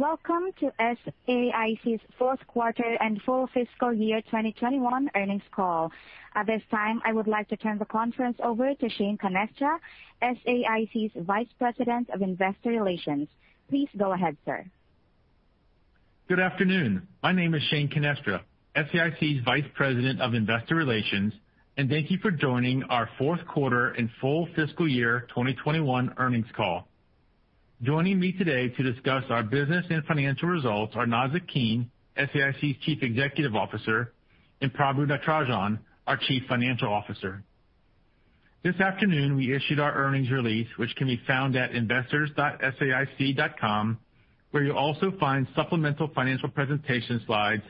Welcome to SAIC's fourth quarter and full fiscal year 2021 earnings call. At this time, I would like to turn the conference over to Shane Canestra, SAIC's Vice President of Investor Relations. Please go ahead, sir. Good afternoon. My name is Shane Canestra, SAIC's Vice President of Investor Relations, and thank you for joining our fourth quarter and full fiscal year 2021 earnings call. Joining me today to discuss our business and financial results are Nazzic Keene, SAIC's Chief Executive Officer, and Prabu Natarajan, our Chief Financial Officer. This afternoon we issued our earnings release, which can be found at investors.saic.com, where you'll also find supplemental financial presentation slides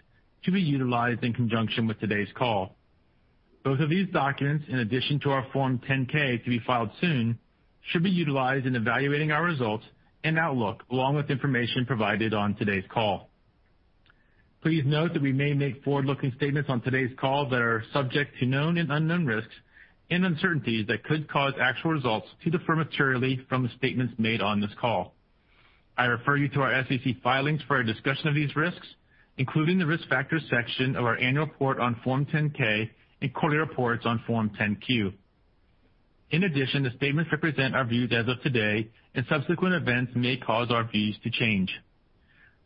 to be utilized in conjunction with today's call. Both of these documents, in addition to our Form 10-K to be filed soon, should be utilized in evaluating our results and outlook, along with information provided on today's call. Please note that we may make forward-looking statements on today's call that are subject to known and unknown risks and uncertainties that could cause actual results to differ materially from the statements made on this call I refer you to our SEC filings for a discussion of these risks, including the Risk Factors section of our annual report on Form 10-K and quarterly reports on Form 10-Q. In addition, the statements represent our views as of today, and subsequent events may cause our views to change.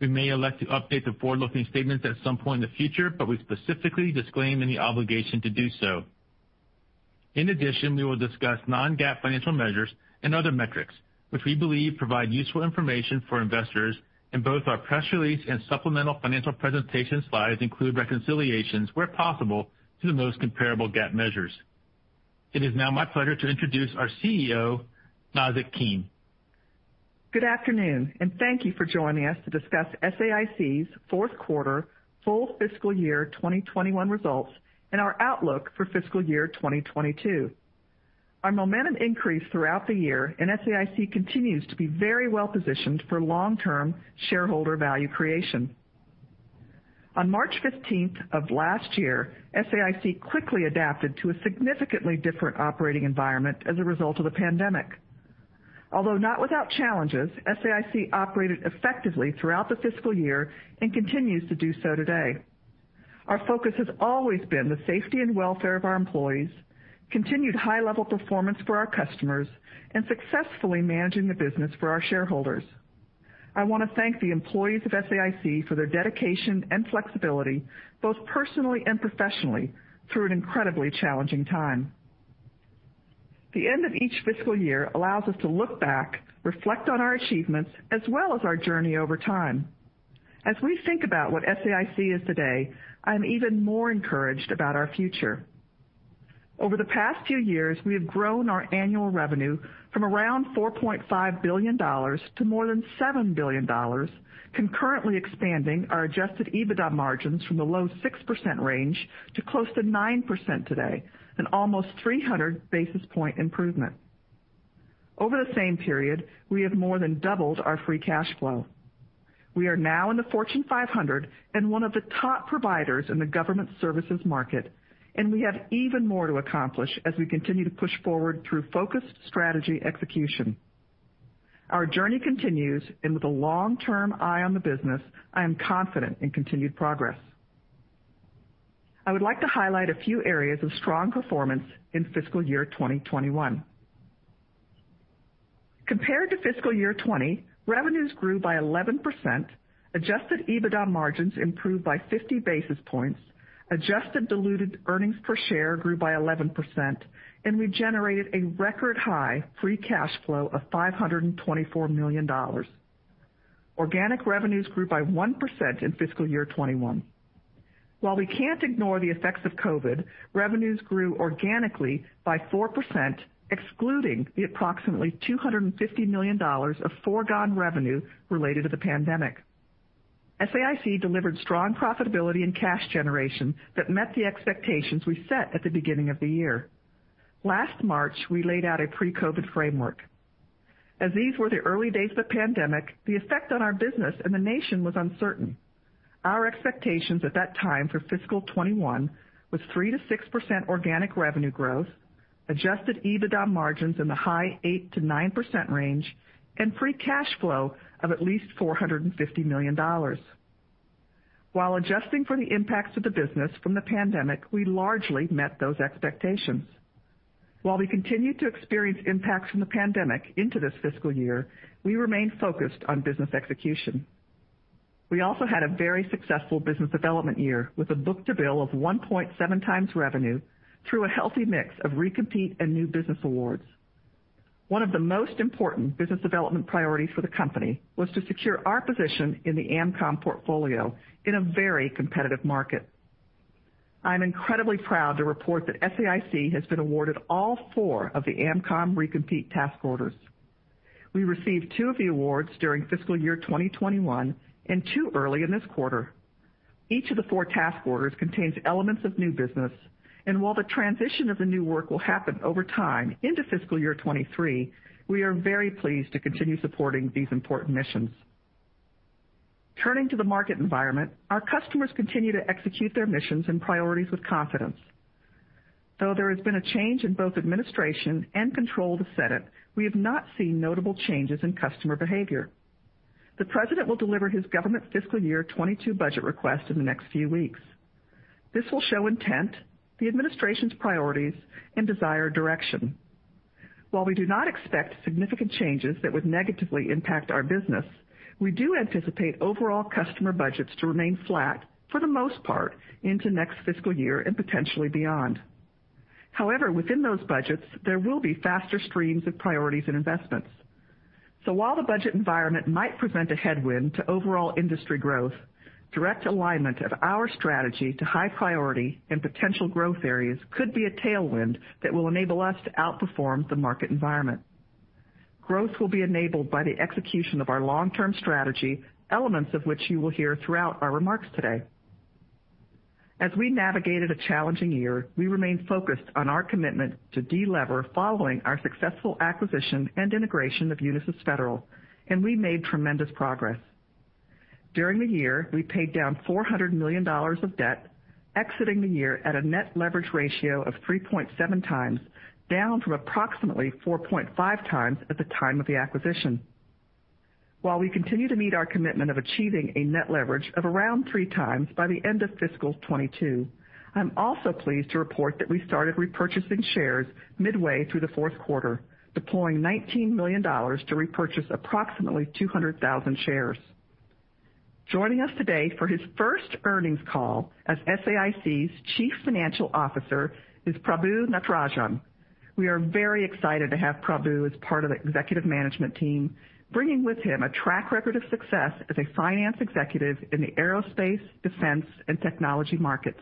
We may elect to update the forward-looking statements at some point in the future, but we specifically disclaim any obligation to do so. In addition, we will discuss non-GAAP financial measures and other metrics which we believe provide useful information for investors, and both our press release and supplemental financial presentation slides include reconciliations where possible to the most comparable GAAP measures. It is now my pleasure to introduce our CEO, Nazzic Keene. Good afternoon, and thank you for joining us to discuss SAIC's fourth quarter and full fiscal year 2021 results and our outlook for fiscal year 2022. Our momentum increased throughout the year, and SAIC continues to be very well-positioned for long-term shareholder value creation. On March 15th of last year, SAIC quickly adapted to a significantly different operating environment as a result of the pandemic. Although not without challenges, SAIC operated effectively throughout the fiscal year and continues to do so today. Our focus has always been the safety and welfare of our employees, continued high-level performance for our customers, and successfully managing the business for our shareholders. I wanna thank the employees of SAIC for their dedication and flexibility, both personally and professionally, through an incredibly challenging time. The end of each fiscal year allows us to look back, reflect on our achievements as well as our journey over time. As we think about what SAIC is today, I am even more encouraged about our future. Over the past few years, we have grown our annual revenue from around $4.5 billion to more than $7 billion, concurrently expanding our Adjusted EBITDA margins from the low 6% range to close to 9% today, an almost 300 basis point improvement. Over the same period, we have more than doubled our free cash flow. We are now in the Fortune 500 and one of the top providers in the government services market, and we have even more to accomplish as we continue to push forward through focused strategy execution. Our journey continues, and with a long-term eye on the business, I am confident in continued progress. I would like to highlight a few areas of strong performance in fiscal year 2021. Compared to fiscal year 2020, revenues grew by 11%, adjusted EBITDA margins improved by 50 basis points, adjusted diluted earnings per share grew by 11%, and we generated a record high free cash flow of $524 million. Organic revenues grew by 1% in fiscal year 2021. While we can't ignore the effects of COVID, revenues grew organically by 4%, excluding the approximately $250 million of foregone revenue related to the pandemic. SAIC delivered strong profitability and cash generation that met the expectations we set at the beginning of the year. Last March, we laid out a pre-COVID framework. As these were the early days of the pandemic, the effect on our business and the nation was uncertain. Our expectations at that time for fiscal 2021 was 3%-6% organic revenue growth, Adjusted EBITDA margins in the high 8%-9% range, and free cash flow of at least $450 million. While adjusting for the impacts of the business from the pandemic, we largely met those expectations. While we continued to experience impacts from the pandemic into this fiscal year, we remain focused on business execution. We also had a very successful business development year, with a book-to-bill of 1.7x revenue through a healthy mix of recompete and new business awards. One of the most important business development priorities for the company was to secure our position in the AMCOM portfolio in a very competitive market. I'm incredibly proud to report that SAIC has been awarded all 4 of the AMCOM recompete task orders. We received two of the awards during fiscal year 2021 and two early in this quarter. Each of the four task orders contains elements of new business, and while the transition of the new work will happen over time into fiscal year 2023, we are very pleased to continue supporting these important missions. Turning to the market environment, our customers continue to execute their missions and priorities with confidence. Though there has been a change in both administration and control of the Senate, we have not seen notable changes in customer behavior. The president will deliver his government fiscal year 2022 budget request in the next few weeks. This will show intent, the administration's priorities, and desired direction. While we do not expect significant changes that would negatively impact our business, we do anticipate overall customer budgets to remain flat for the most part into next fiscal year and potentially beyond. However, within those budgets, there will be faster streams of priorities and investments. While the budget environment might present a headwind to overall industry growth, direct alignment of our strategy to high priority and potential growth areas could be a tailwind that will enable us to outperform the market environment. Growth will be enabled by the execution of our long-term strategy, elements of which you will hear throughout our remarks today. As we navigated a challenging year, we remained focused on our commitment to delever following our successful acquisition and integration of Unisys Federal, and we made tremendous progress. During the year, we paid down $400 million of debt, exiting the year at a net leverage ratio of 3.7 times, down from approximately 4.5 times at the time of the acquisition. While we continue to meet our commitment of achieving a net leverage of around three times by the end of fiscal 2022, I'm also pleased to report that we started repurchasing shares midway through the fourth quarter, deploying $19 million to repurchase approximately 200,000 shares. Joining us today for his first earnings call as SAIC's Chief Financial Officer is Prabu Natarajan. We are very excited to have Prabu as part of the executive management team, bringing with him a track record of success as a finance executive in the aerospace, defense, and technology markets.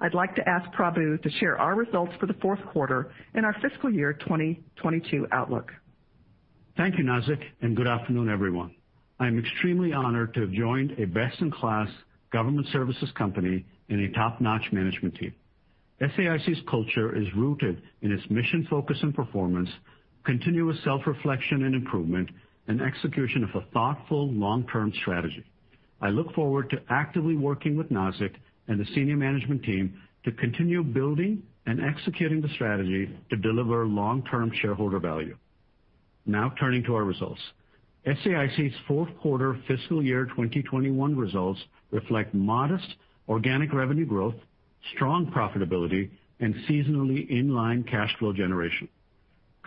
I'd like to ask Prabu to share our results for the fourth quarter and our fiscal year 2022 outlook. Thank you Nazzic, and good afternoon everyone. I'm extremely honored to have joined a best-in-class government services company and a top-notch management team. SAIC's culture is rooted in its mission focus and performance, continuous self-reflection and improvement, and execution of a thoughtful long-term strategy. I look forward to actively working with Nazzic and the senior management team to continue building and executing the strategy to deliver long-term shareholder value. Now turning to our results. SAIC's fourth quarter fiscal year 2021 results reflect modest organic revenue growth, strong profitability, and seasonally in-line cash flow generation.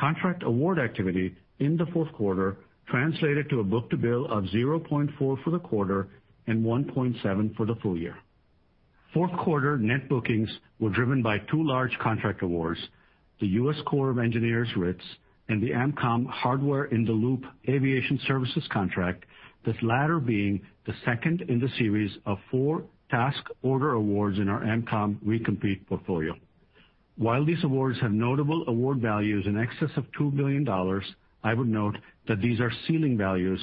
Contract award activity in the fourth quarter translated to a book-to-bill of 0.4 for the quarter and 1.7 for the full year. Fourth quarter net bookings were driven by two large contract awards, the U.S. Army Corps of Engineers RITS and the AMCOM Aviation Systems Hardware-in-the-Loop Engineering contract, this latter being the second in the series of four task order awards in our AMCOM recompete portfolio. While these awards have notable award values in excess of $2 billion, I would note that these are ceiling values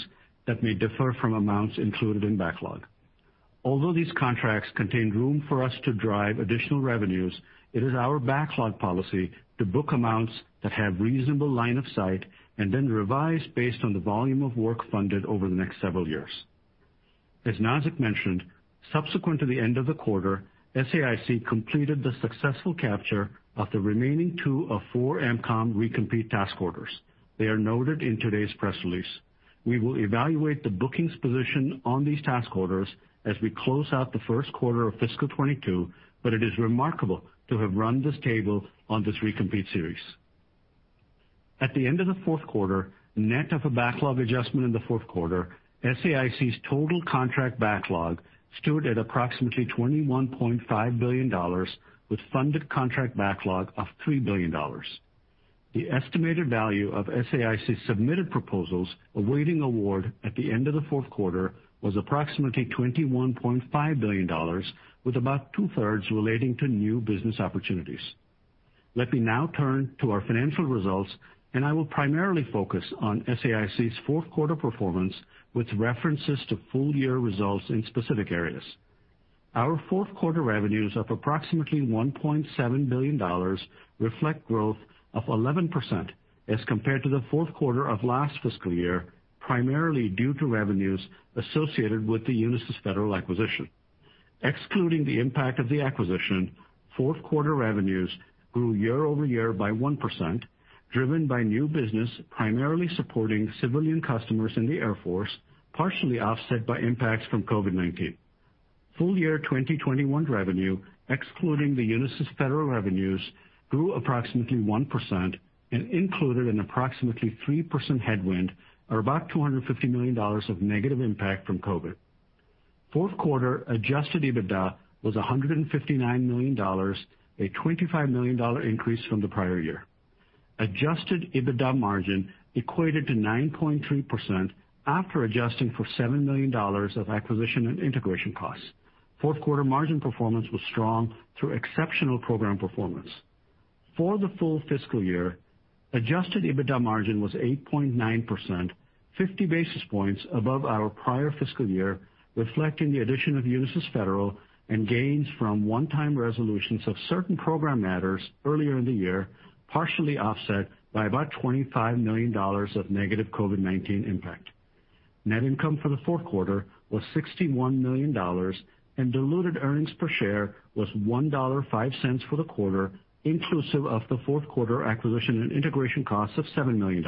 that may differ from amounts included in backlog. Although these contracts contain room for us to drive additional revenues, it is our backlog policy to book amounts that have reasonable line of sight and then revise based on the volume of work funded over the next several years. As Nazzic mentioned, subsequent to the end of the quarter, SAIC completed the successful capture of the remaining two of four AMCOM recompete task orders. They are noted in today's press release. We will evaluate the bookings position on these task orders as we close out the first quarter of fiscal 2022, but it is remarkable to have run this table on this recompete series. At the end of the fourth quarter, net of a backlog adjustment in the fourth quarter, SAIC's total contract backlog stood at approximately $21.5 billion with funded contract backlog of $3 billion. The estimated value of SAIC's submitted proposals awaiting award at the end of the fourth quarter was approximately $21.5 billion, with about two-thirds relating to new business opportunities. Let me now turn to our financial results, and I will primarily focus on SAIC's fourth quarter performance with references to full year results in specific areas. Our fourth quarter revenues of approximately $1.7 billion reflect growth of 11% as compared to the fourth quarter of last fiscal year, primarily due to revenues associated with the Unisys Federal acquisition. Excluding the impact of the acquisition, fourth quarter revenues grew year over year by 1%, driven by new business primarily supporting civilian customers in the Air Force, partially offset by impacts from COVID-19. Full year 2021 revenue, excluding the Unisys Federal revenues, grew approximately 1% and included an approximately 3% headwind or about $250 million of negative impact from COVID. Fourth quarter adjusted EBITDA was $159 million, a $25 million increase from the prior year. Adjusted EBITDA margin equated to 9.3% after adjusting for $7 million of acquisition and integration costs. Fourth quarter margin performance was strong through exceptional program performance. For the full fiscal year, Adjusted EBITDA margin was 8.9%, 50 basis points above our prior fiscal year, reflecting the addition of Unisys Federal and gains from one-time resolutions of certain program matters earlier in the year, partially offset by about $25 million of negative COVID-19 impact. Net income for the fourth quarter was $61 million and diluted earnings per share was $1.05 for the quarter, inclusive of the fourth quarter acquisition and integration costs of $7 million.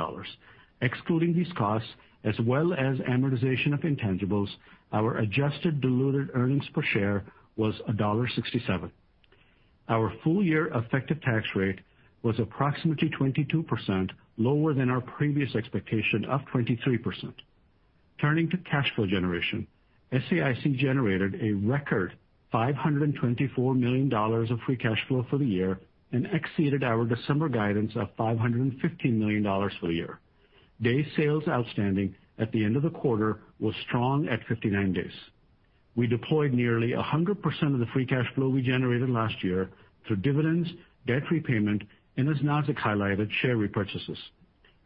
Excluding these costs, as well as amortization of intangibles, our adjusted diluted earnings per share was $1.67. Our full year effective tax rate was approximately 22%, lower than our previous expectation of 23%. Turning to cash flow generation, SAIC generated a record $524 million of free cash flow for the year and exceeded our December guidance of $515 million for the year. Day sales outstanding at the end of the quarter was strong at 59 days. We deployed nearly 100% of the free cash flow we generated last year to dividends, debt repayment, and as Nazzic highlighted, share repurchases.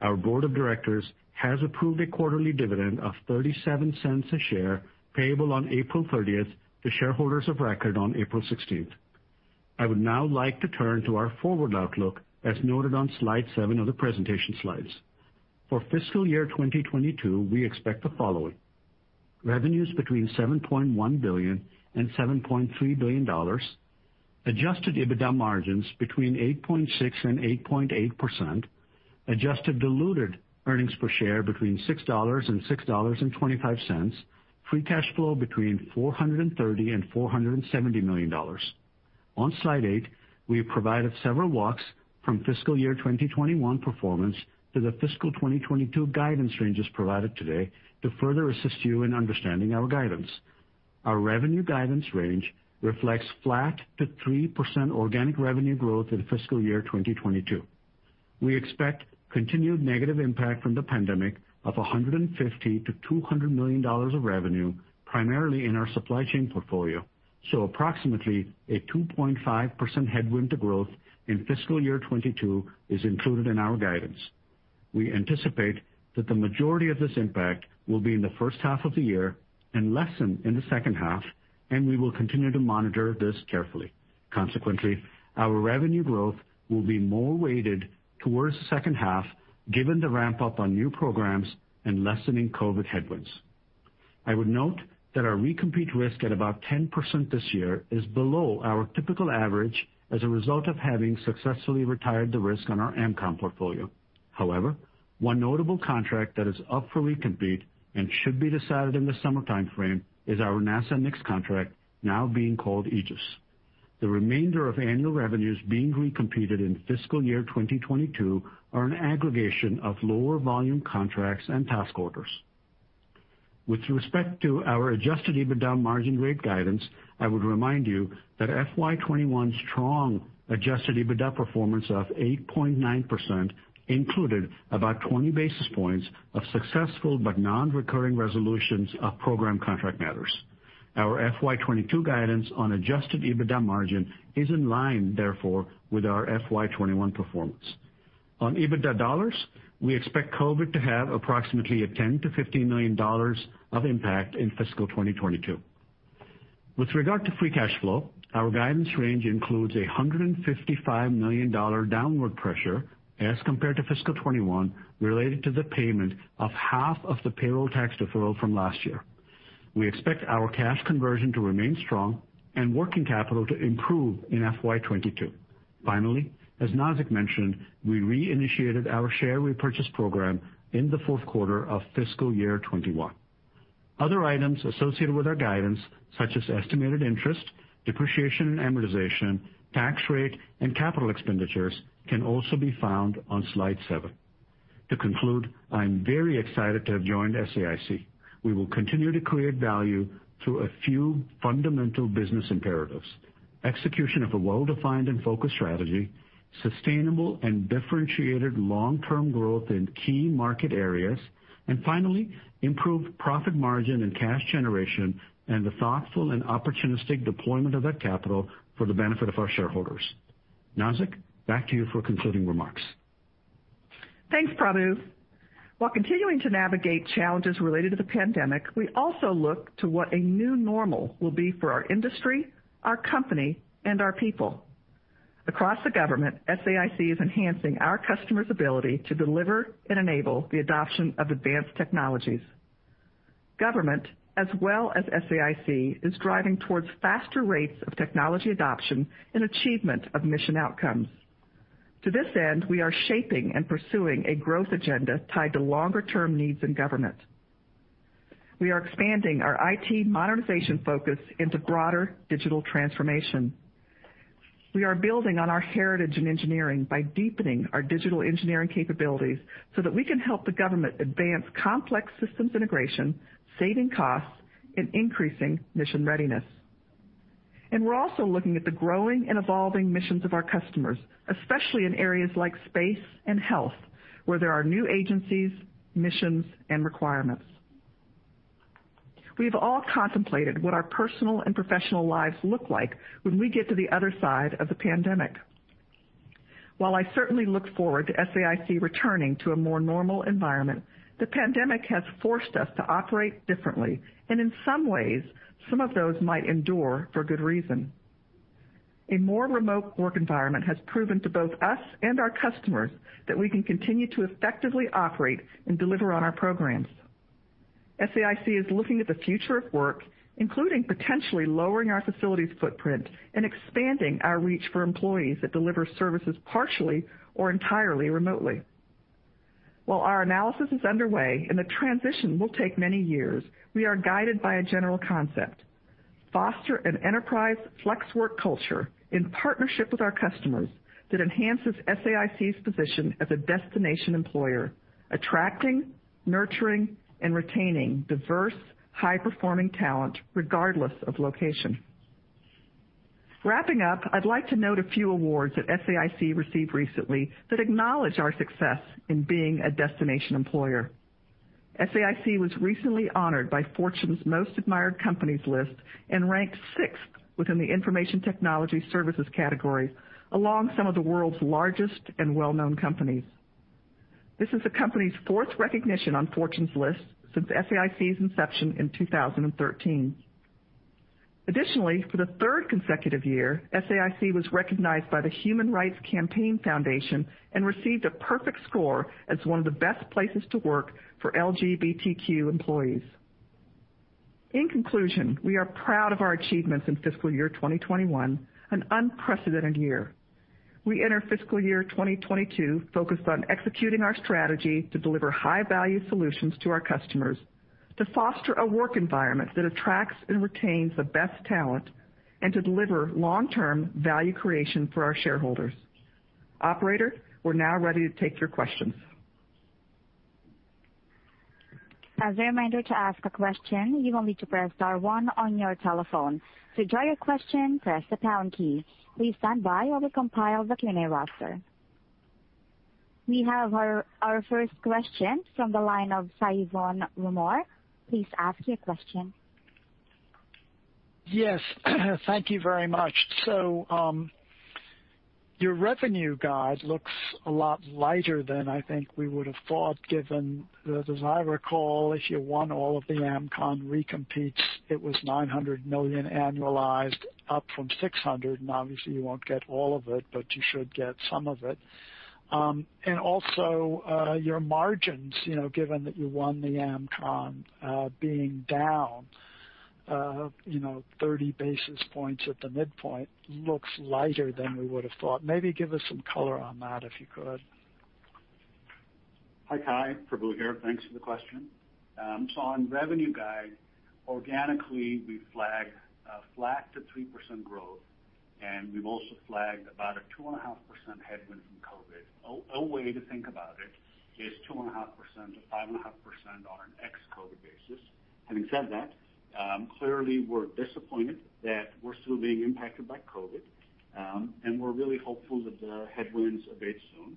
Our board of directors has approved a quarterly dividend of $0.37 a share payable on April 30 to shareholders of record on April 16. I would now like to turn to our forward outlook as noted on slide seven of the presentation slides. For fiscal year 2022, we expect the following: revenues between $7.1 billion and $7.3 billion, adjusted EBITDA margins between 8.6% and 8.8%, adjusted diluted earnings per share between $6 and $6.25, free cash flow between $430 million and $470 million. On slide eight, we have provided several walks from fiscal year 2021 performance to the fiscal 2022 guidance ranges provided today to further assist you in understanding our guidance. Our revenue guidance range reflects flat to 3% organic revenue growth in fiscal year 2022. We expect continued negative impact from the pandemic of $150 million-$200 million of revenue, primarily in our supply chain portfolio, so approximately a 2.5% headwind to growth in fiscal year 2022 is included in our guidance. We anticipate that the majority of this impact will be in the first half of the year and lessen in the second half, and we will continue to monitor this carefully. Consequently, our revenue growth will be more weighted towards the second half given the ramp up on new programs and lessening COVID headwinds. I would note that our recompete risk at about 10% this year is below our typical average as a result of having successfully retired the risk on our AMCOM portfolio. However, one notable contract that is up for recompete and should be decided in the summer time frame is our NASA mixed contract now being called AEGIS. The remainder of annual revenues being recompeted in fiscal year 2022 are an aggregation of lower volume contracts and task orders. With respect to our adjusted EBITDA margin rate guidance, I would remind you that FY 2021's strong adjusted EBITDA performance of 8.9% included about 20 basis points of successful but non-recurring resolutions of program contract matters. Our FY 2022 guidance on adjusted EBITDA margin is in line, therefore, with our FY 2021 performance. On EBITDA dollars, we expect COVID to have approximately $10 million-$15 million of impact in fiscal 2022. With regard to free cash flow, our guidance range includes $155 million downward pressure as compared to fiscal 2021 related to the payment of half of the payroll tax deferral from last year. We expect our cash conversion to remain strong and working capital to improve in FY 2022. Finally, as Nazzic mentioned, we reinitiated our share repurchase program in the fourth quarter of fiscal year 2021. Other items associated with our guidance, such as estimated interest, depreciation and amortization, tax rate, and capital expenditures, can also be found on slide seven. To conclude, I'm very excited to have joined SAIC. We will continue to create value through a few fundamental business imperatives. Execution of a well-defined and focused strategy, sustainable and differentiated long-term growth in key market areas, and finally, improved profit margin and cash generation, and the thoughtful and opportunistic deployment of that capital for the benefit of our shareholders. Nazzic, back to you for concluding remarks. Thanks, Prabhu. While continuing to navigate challenges related to the pandemic, we also look to what a new normal will be for our industry, our company, and our people. Across the government, SAIC is enhancing our customers' ability to deliver and enable the adoption of advanced technologies. Government, as well as SAIC, is driving towards faster rates of technology adoption and achievement of mission outcomes. To this end, we are shaping and pursuing a growth agenda tied to longer-term needs in government. We are expanding our IT modernization focus into broader digital transformation. We are building on our heritage in engineering by deepening our digital engineering capabilities so that we can help the government advance complex systems integration, saving costs and increasing mission readiness. We're also looking at the growing and evolving missions of our customers, especially in areas like space and health, where there are new agencies, missions, and requirements. We've all contemplated what our personal and professional lives look like when we get to the other side of the pandemic. While I certainly look forward to SAIC returning to a more normal environment, the pandemic has forced us to operate differently, and in some ways, some of those might endure for good reason. A more remote work environment has proven to both us and our customers that we can continue to effectively operate and deliver on our programs. SAIC is looking at the future of work, including potentially lowering our facilities footprint and expanding our reach for employees that deliver services partially or entirely remotely. While our analysis is underway and the transition will take many years, we are guided by a general concept. Foster an enterprise flex work culture in partnership with our customers that enhances SAIC's position as a destination employer, attracting, nurturing, and retaining diverse, high-performing talent regardless of location. Wrapping up, I'd like to note a few awards that SAIC received recently that acknowledge our success in being a destination employer. SAIC was recently honored by Fortune's World's Most Admired Companies list and ranked sixth within the information technology services category, alongside some of the world's largest and well-known companies. This is the company's fourth recognition on Fortune's list since SAIC's inception in 2013. Additionally, for the third consecutive year, SAIC was recognized by the Human Rights Campaign Foundation and received a perfect score as one of the best places to work for LGBTQ employees. In conclusion, we are proud of our achievements in fiscal year 2021, an unprecedented year. We enter fiscal year 2022 focused on executing our strategy to deliver high-value solutions to our customers, to foster a work environment that attracts and retains the best talent, and to deliver long-term value creation for our shareholders. Operator, we're now ready to take your questions. We have our first question from the line of Cai von Rumohr. Please ask your question. Yes. Thank you very much. Your revenue guide looks a lot lighter than I think we would have thought, given that as I recall, if you won all of the AMCOM recompetes, it was $900 million annualized up from $600 million, and obviously you won't get all of it, but you should get some of it. Your margins, you know, given that you won the AMCOM, being down 30 basis points at the midpoint looks lighter than we would have thought. Maybe give us some color on that, if you could. Hi Cai. Prabhu here. Thanks for the question. So on revenue guide, organically, we flagged a flat to 3% growth, and we've also flagged about a 2.5% headwind from COVID. A way to think about it is 2.5%-5.5% on an ex-COVID basis. Having said that, clearly we're disappointed that we're still being impacted by COVID, and we're really hopeful that the headwinds abate soon.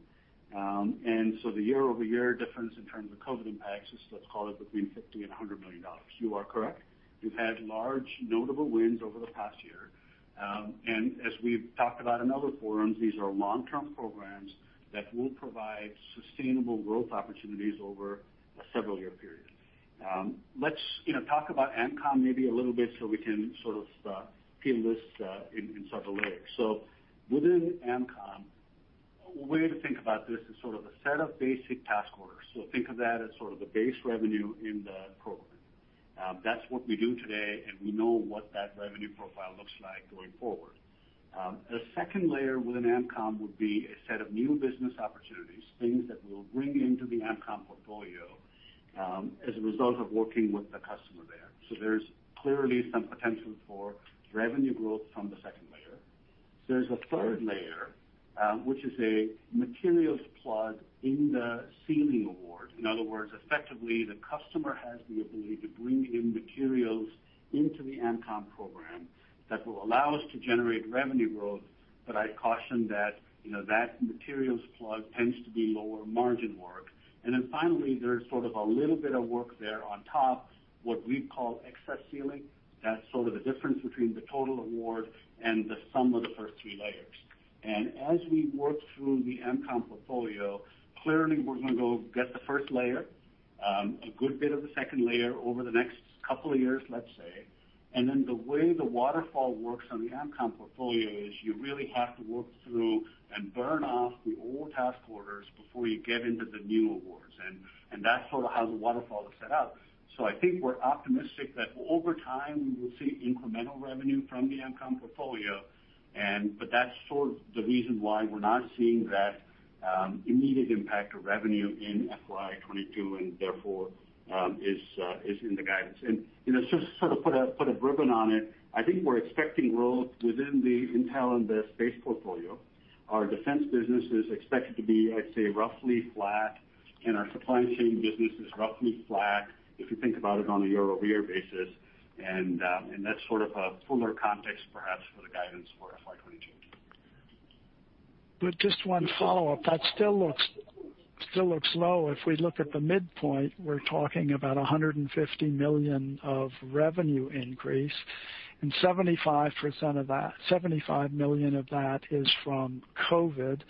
The year-over-year difference in terms of COVID impacts is, let's call it between $50 million and $100 million. You are correct. We've had large notable wins over the past year. And as we've talked about in other forums, these are long-term programs that will provide sustainable growth opportunities over a several year period. Let's you know, talk about AMCOM maybe a little bit so we can sort of peel this in several layers. Within AMCOM, a way to think about this is sort of a set of basic task orders. Think of that as sort of the base revenue in the program. That's what we do today, and we know what that revenue profile looks like going forward. The second layer within AMCOM would be a set of new business opportunities, things that we'll bring into the AMCOM portfolio, as a result of working with the customer there. There's clearly some potential for revenue growth from the second layer. There's a third layer, which is a materials plug in the ceiling award. In other words, effectively, the customer has the ability to bring in materials into the AMCOM program that will allow us to generate revenue growth, but I'd caution that, you know, that materials plug tends to be lower margin work. Finally, there's sort of a little bit of work there on top, what we call excess ceiling. That's sort of the difference between the total award and the sum of the first three layers. As we work through the AMCOM portfolio, clearly we're gonna go get the first layer, a good bit of the second layer over the next couple of years, let's say. The way the waterfall works on the AMCOM portfolio is you really have to work through and burn off the old task orders before you get into the new awards. That's sorta how the waterfall is set up. I think we're optimistic that over time, we will see incremental revenue from the AMCOM portfolio. That's sort of the reason why we're not seeing that immediate impact to revenue in FY 2022 and therefore is in the guidance. You know, just to sort of put a ribbon on it, I think we're expecting growth within the intel and the space portfolio. Our defense business is expected to be, I'd say, roughly flat, and our supply chain business is roughly flat, if you think about it on a year-over-year basis. That's sort of a fuller context, perhaps, for the guidance for FY 2022. Just one follow-up. That still looks low. If we look at the midpoint, we're talking about $150 million of revenue increase, and 75% of that, $75 million of that is from COVID.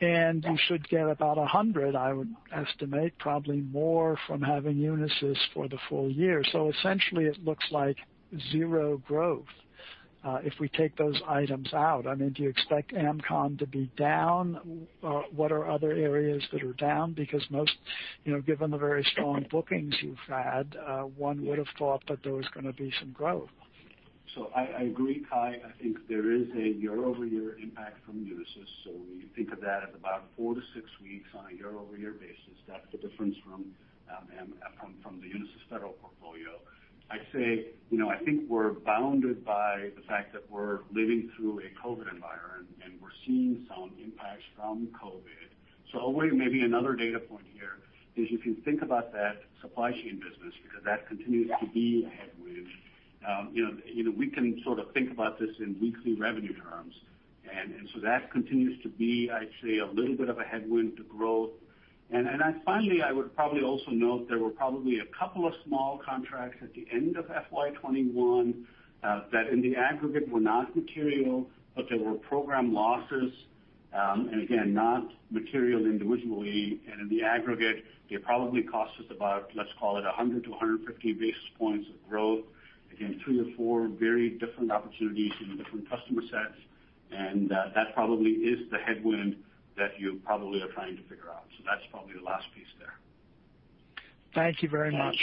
You should get about $100, I would estimate, probably more from having Unisys for the full year. Essentially it looks like zero growth, if we take those items out. I mean, do you expect AMCOM to be down? What are other areas that are down? Because most, you know, given the very strong bookings you've had, one would have thought that there was gonna be some growth. I agree, Cai. I think there is a year-over-year impact from Unisys. We think of that at about 4-6 weeks on a year-over-year basis. That's the difference from the Unisys Federal portfolio. I'd say, you know, I think we're bounded by the fact that we're living through a COVID environment, and we're seeing some impacts from COVID. Anyway, maybe another data point here is if you think about that supply chain business, because that continues to be a headwind, you know, we can sort of think about this in weekly revenue terms. That continues to be, I'd say, a little bit of a headwind to growth. Finally, I would probably also note there were probably a couple of small contracts at the end of FY 2021 that in the aggregate were not material, but there were program losses, and again, not material individually. In the aggregate, they probably cost us about, let's call it 100-150 basis points of growth. Again, three or four very different opportunities in different customer sets, and that probably is the headwind that you probably are trying to figure out. That's probably the last piece there. Thank you very much.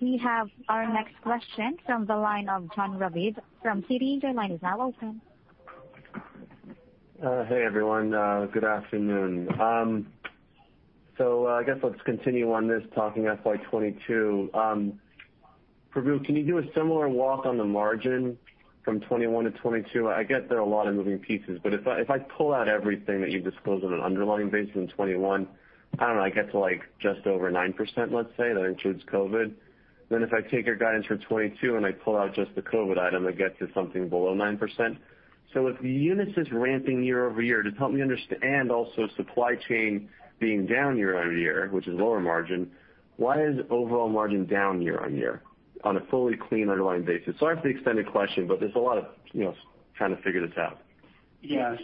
We have our next question from the line of Jon Raviv from TD. Your line is now open. Hey everyone. Good afternoon. I guess let's continue on this talking FY 2022. Prabu, can you do a similar walk on the margin from 2021 to 2022? I get there are a lot of moving pieces, but if I pull out everything that you disclosed on an underlying basis in 2021, I don't know, I get to like, just over 9%, let's say, that includes COVID. Then if I take your guidance for 2022 and I pull out just the COVID item, it gets to something below 9%. If Unisys ramping year-over-year, just help me understand also supply chain being down year-over-year, which is lower margin, why is overall margin down year-over-year on a fully clean underlying basis? Sorry for the extended question, but there's a lot of, you know, trying to figure this out. Yeah.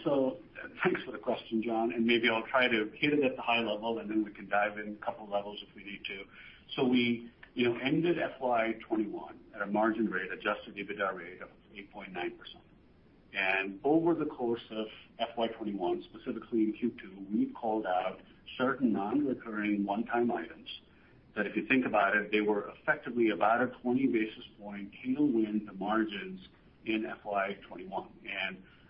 Thanks for the question, John, and maybe I'll try to hit it at the high level, and then we can dive in a couple levels if we need to. We, you know, ended FY 2021 at a margin rate, Adjusted EBITDA rate of 8.9%. Over the course of FY 2021, specifically in Q2, we've called out certain non-recurring one-time items that if you think about it, they were effectively about a 20 basis point tailwind to margins in FY 2021.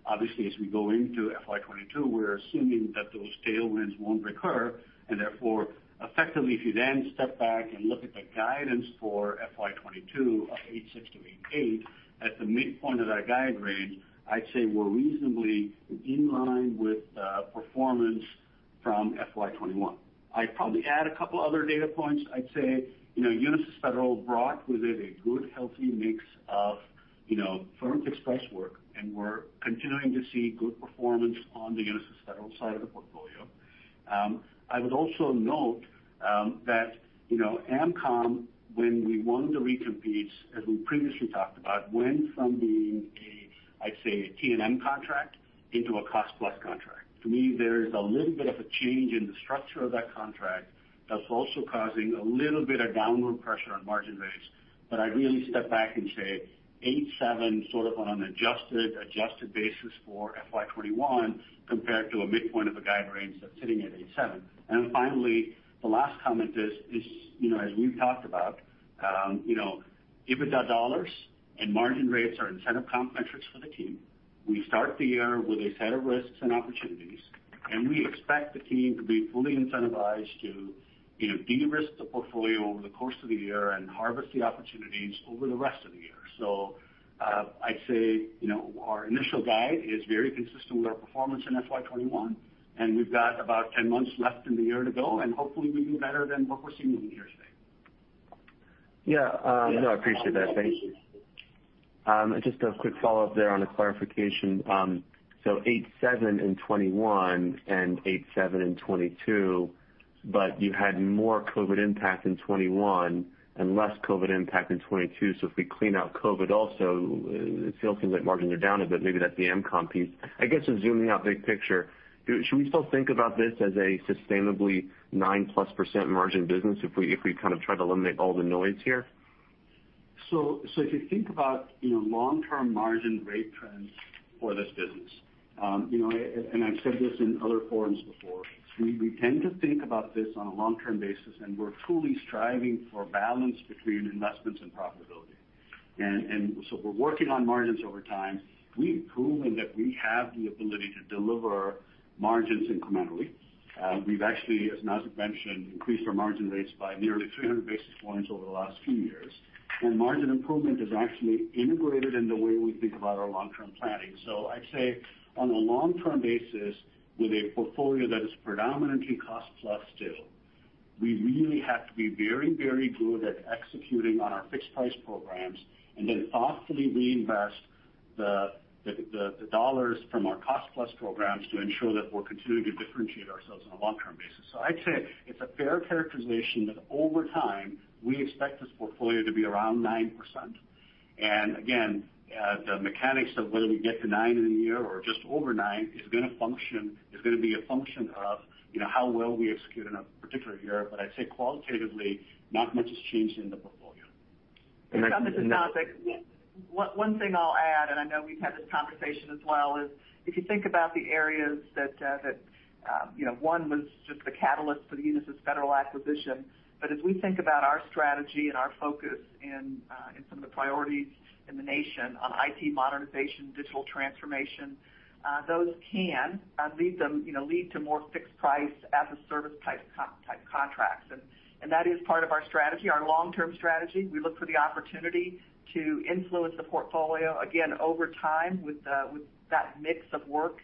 Obviously, as we go into FY 2022, we're assuming that those tailwinds won't recur. Therefore, effectively if you then step back and look at the guidance for FY 2022 of 8.6%-8.8%, at the midpoint of that guide range, I'd say we're reasonably in line with performance from FY 2021. I'd probably add a couple other data points. I'd say, you know, Unisys Federal brought with it a good, healthy mix of, you know, firm fixed price work, and we're continuing to see good performance on the Unisys Federal side of the portfolio. I would also note that, you know, AMCOM, when we won the recompetes, as we previously talked about, went from being a, I'd say, a T&M contract into a cost-plus contract. To me, there's a little bit of a change in the structure of that contract that's also causing a little bit of downward pressure on margin rates. I'd really step back and say 8.7% sort of on an adjusted basis for FY 2021 compared to a midpoint of a guide range that's sitting at 8.7%. Finally, the last comment is, you know as we've talked about, you know, EBITDA dollars and margin rates are incentive comp metrics for the team. We start the year with a set of risks and opportunities, and we expect the team to be fully incentivized to, you know, de-risk the portfolio over the course of the year and harvest the opportunities over the rest of the year. I'd say, you know, our initial guide is very consistent with our performance in FY 2021, and we've got about 10 months left in the year to go, and hopefully, we do better than what we're seeing in here today. Yeah. No, I appreciate that. Thank you. Just a quick follow-up there on a clarification. 8.7% in 2021 and 8.7% in 2022, but you had more COVID impact in 2021 and less COVID impact in 2022. If we clean out COVID also, it still seems like margins are down a bit. Maybe that's the AMCOM piece. I guess just zooming out big picture, should we still think about this as a sustainably 9%+ margin business if we kind of try to eliminate all the noise here? If you think about, you know, long-term margin rate trends for this business, you know, and I've said this in other forums before, we tend to think about this on a long-term basis, and we're truly striving for balance between investments and profitability. We're working on margins over time. We've proven that we have the ability to deliver margins incrementally. We've actually, as Nazzic mentioned, increased our margin rates by nearly 300 basis points over the last few years. Margin improvement is actually integrated in the way we think about our long-term planning. I'd say on a long-term basis, with a portfolio that is predominantly cost-plus still, we really have to be very, very good at executing on our fixed price programs and then thoughtfully reinvest the dollars from our cost-plus programs to ensure that we're continuing to differentiate ourselves on a long-term basis. I'd say it's a fair characterization that over time, we expect this portfolio to be around 9%. Again, the mechanics of whether we get to nine in a year or just over nine is gonna be a function of, you know, how well we execute in a particular year. I'd say qualitatively, not much has changed in the market. This is Nazzic. One thing I'll add, and I know we've had this conversation as well, is if you think about the areas that, you know, one was just the catalyst for the Unisys Federal acquisition. As we think about our strategy and our focus and some of the priorities in the nation on IT modernization, digital transformation, those can lead to more fixed price as a service type contracts. That is part of our strategy, our long-term strategy. We look for the opportunity to influence the portfolio again over time with that mix of work.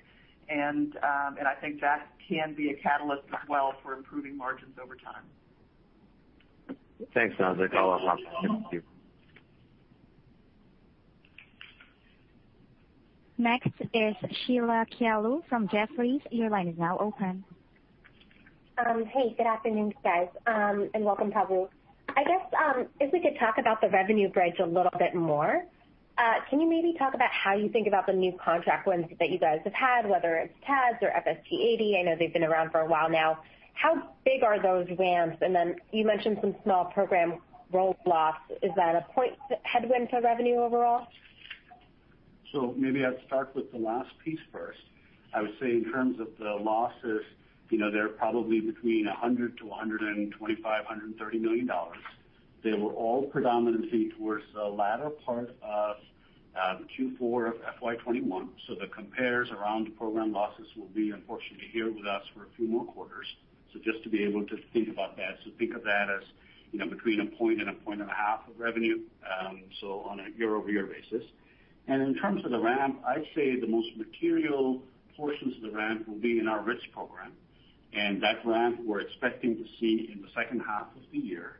I think that can be a catalyst as well for improving margins over time. Thanks Nazzic. I'll pass it on to Pavel. Next is Sheila Kahyaoglu from Jefferies. Your line is now open. Hey, good afternoon guys, and welcome, Prabu. I guess if we could talk about the revenue bridge a little bit more. Can you maybe talk about how you think about the new contract wins that you guys have had, whether it's TAS or FST eighty? I know they've been around for a while now. How big are those ramps? Then you mentioned some small program roadblocks. Is that a points headwind to revenue overall? Maybe I'd start with the last piece first. I would say in terms of the losses, you know, they're probably between $125-$130 million. They were all predominantly towards the latter part of Q4 of FY 2021. The compares around program losses will be unfortunately here with us for a few more quarters. Just to be able to think about that. Think of that as, you know, between 1%-1.5% of revenue, so on a year-over-year basis. In terms of the ramp, I'd say the most material portions of the ramp will be in our RITS program, and that ramp we're expecting to see in the second half of the year.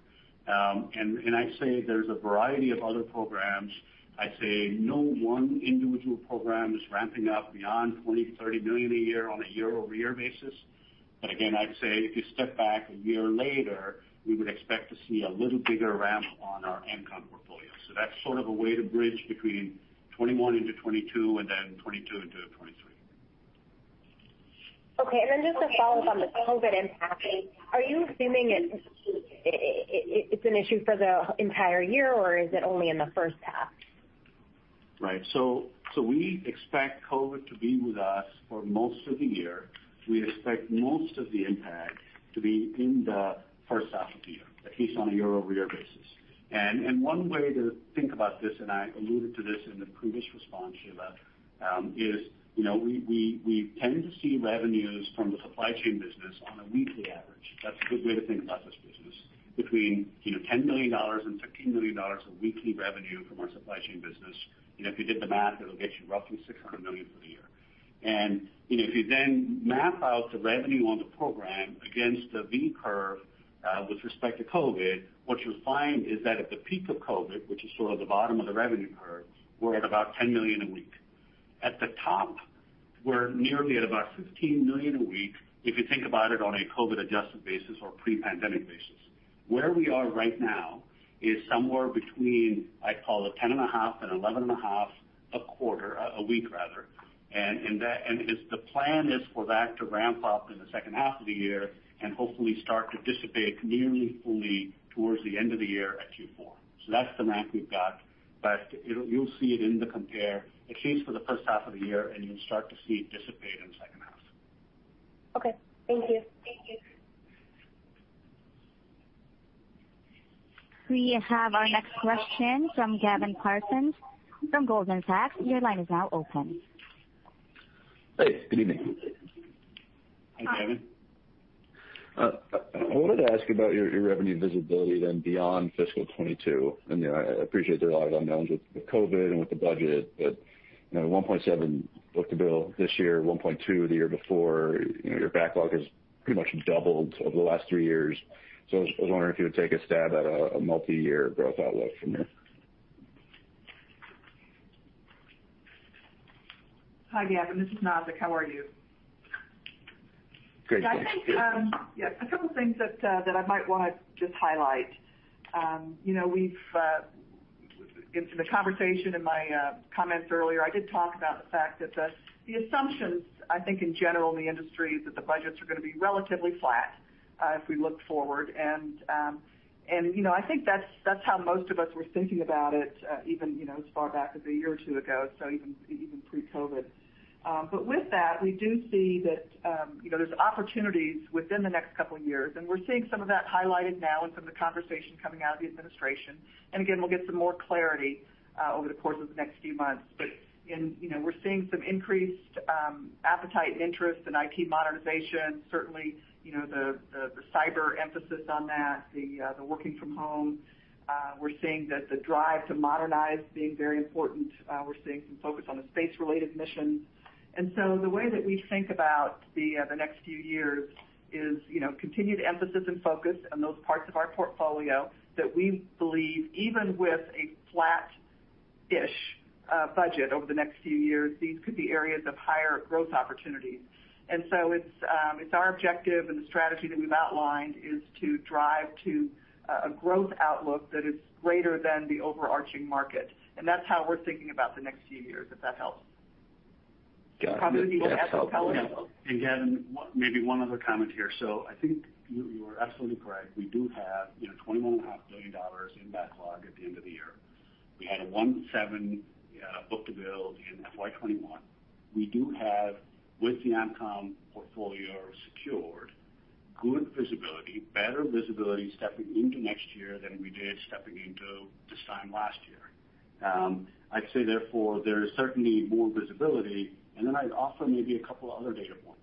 I'd say there's a variety of other programs. I'd say no one individual program is ramping up beyond $20 million-$30 million a year on a year-over-year basis. Again, I'd say if you step back a year later, we would expect to see a little bigger ramp on our AMCOM portfolio. That's sort of a way to bridge between 2021 into 2022 and then 2022 into 2023. Okay. Just a follow on the COVID impact. Are you assuming it's an issue for the entire year, or is it only in the first half? Right. We expect COVID to be with us for most of the year. We expect most of the impact to be in the first half of the year, at least on a year-over-year basis. One way to think about this, and I alluded to this in the previous response, Sheila, you know, we tend to see revenues from the supply chain business on a weekly average. That's a good way to think about this business, between, you know, $10 million and $15 million of weekly revenue from our supply chain business. You know, if you did the math, it'll get you roughly $600 million for the year. You know, if you then map out the revenue on the program against the V curve with respect to COVID, what you'll find is that at the peak of COVID, which is sort of the bottom of the revenue curve, we're at about $10 million a week. At the top, we're nearly at about $15 million a week if you think about it on a COVID-adjusted basis or pre-pandemic basis. Where we are right now is somewhere between, I'd call it $10.5-$11.5 million a week rather. Is the plan for that to ramp up in the second half of the year and hopefully start to dissipate nearly fully towards the end of the year at Q4. That's the ramp we've got, but it'll, you'll see it in the comps, at least for the first half of the year, and you'll start to see it dissipate in the second half. Okay. Thank you. We have our next question from Gavin Parsons from Goldman Sachs. Your line is now open. Hey, good evening. Hi Gavin. I wanted to ask you about your revenue visibility then beyond fiscal 2022. You know, I appreciate there are a lot of unknowns with COVID and with the budget, but you know, 1.7 book-to-bill this year, 1.2 the year before, you know, your backlog has pretty much doubled over the last three years. I was wondering if you would take a stab at a multi-year growth outlook from here. Hi Gavin, this is Nazzic. How are you? Good. Yeah, I think a couple things that I might wanna just highlight. You know, we've in some of the conversation in my comments earlier, I did talk about the fact that the assumptions, I think in general in the industry, is that the budgets are gonna be relatively flat if we look forward. You know, I think that's how most of us were thinking about it even you know as far back as a year or two ago, so even pre-COVID. With that, we do see that you know there's opportunities within the next couple years, and we're seeing some of that highlighted now in some of the conversation coming out of the administration. Again, we'll get some more clarity over the course of the next few months. In you know, we're seeing some increased appetite and interest in IT modernization, certainly, you know, the cyber emphasis on that, the working from home. We're seeing that the drive to modernize being very important. We're seeing some focus on the space-related mission. The way that we think about the next few years is, you know, continued emphasis and focus on those parts of our portfolio that we believe even with a flat-ish budget over the next few years, these could be areas of higher growth opportunities. It's our objective and the strategy that we've outlined is to drive to a growth outlook that is greater than the overarching market. That's how we're thinking about the next few years, if that helps. Gavin, one, maybe one other comment here. I think you are absolutely correct. We do have, you know, $21.5 billion in backlog at the end of the year. We had a 1.7 book-to-bill in FY 2021. We do have, with the AMCOM portfolio secured, good visibility, better visibility stepping into next year than we did stepping into this time last year. I'd say therefore, there is certainly more visibility, and then I'd offer maybe a couple other data points.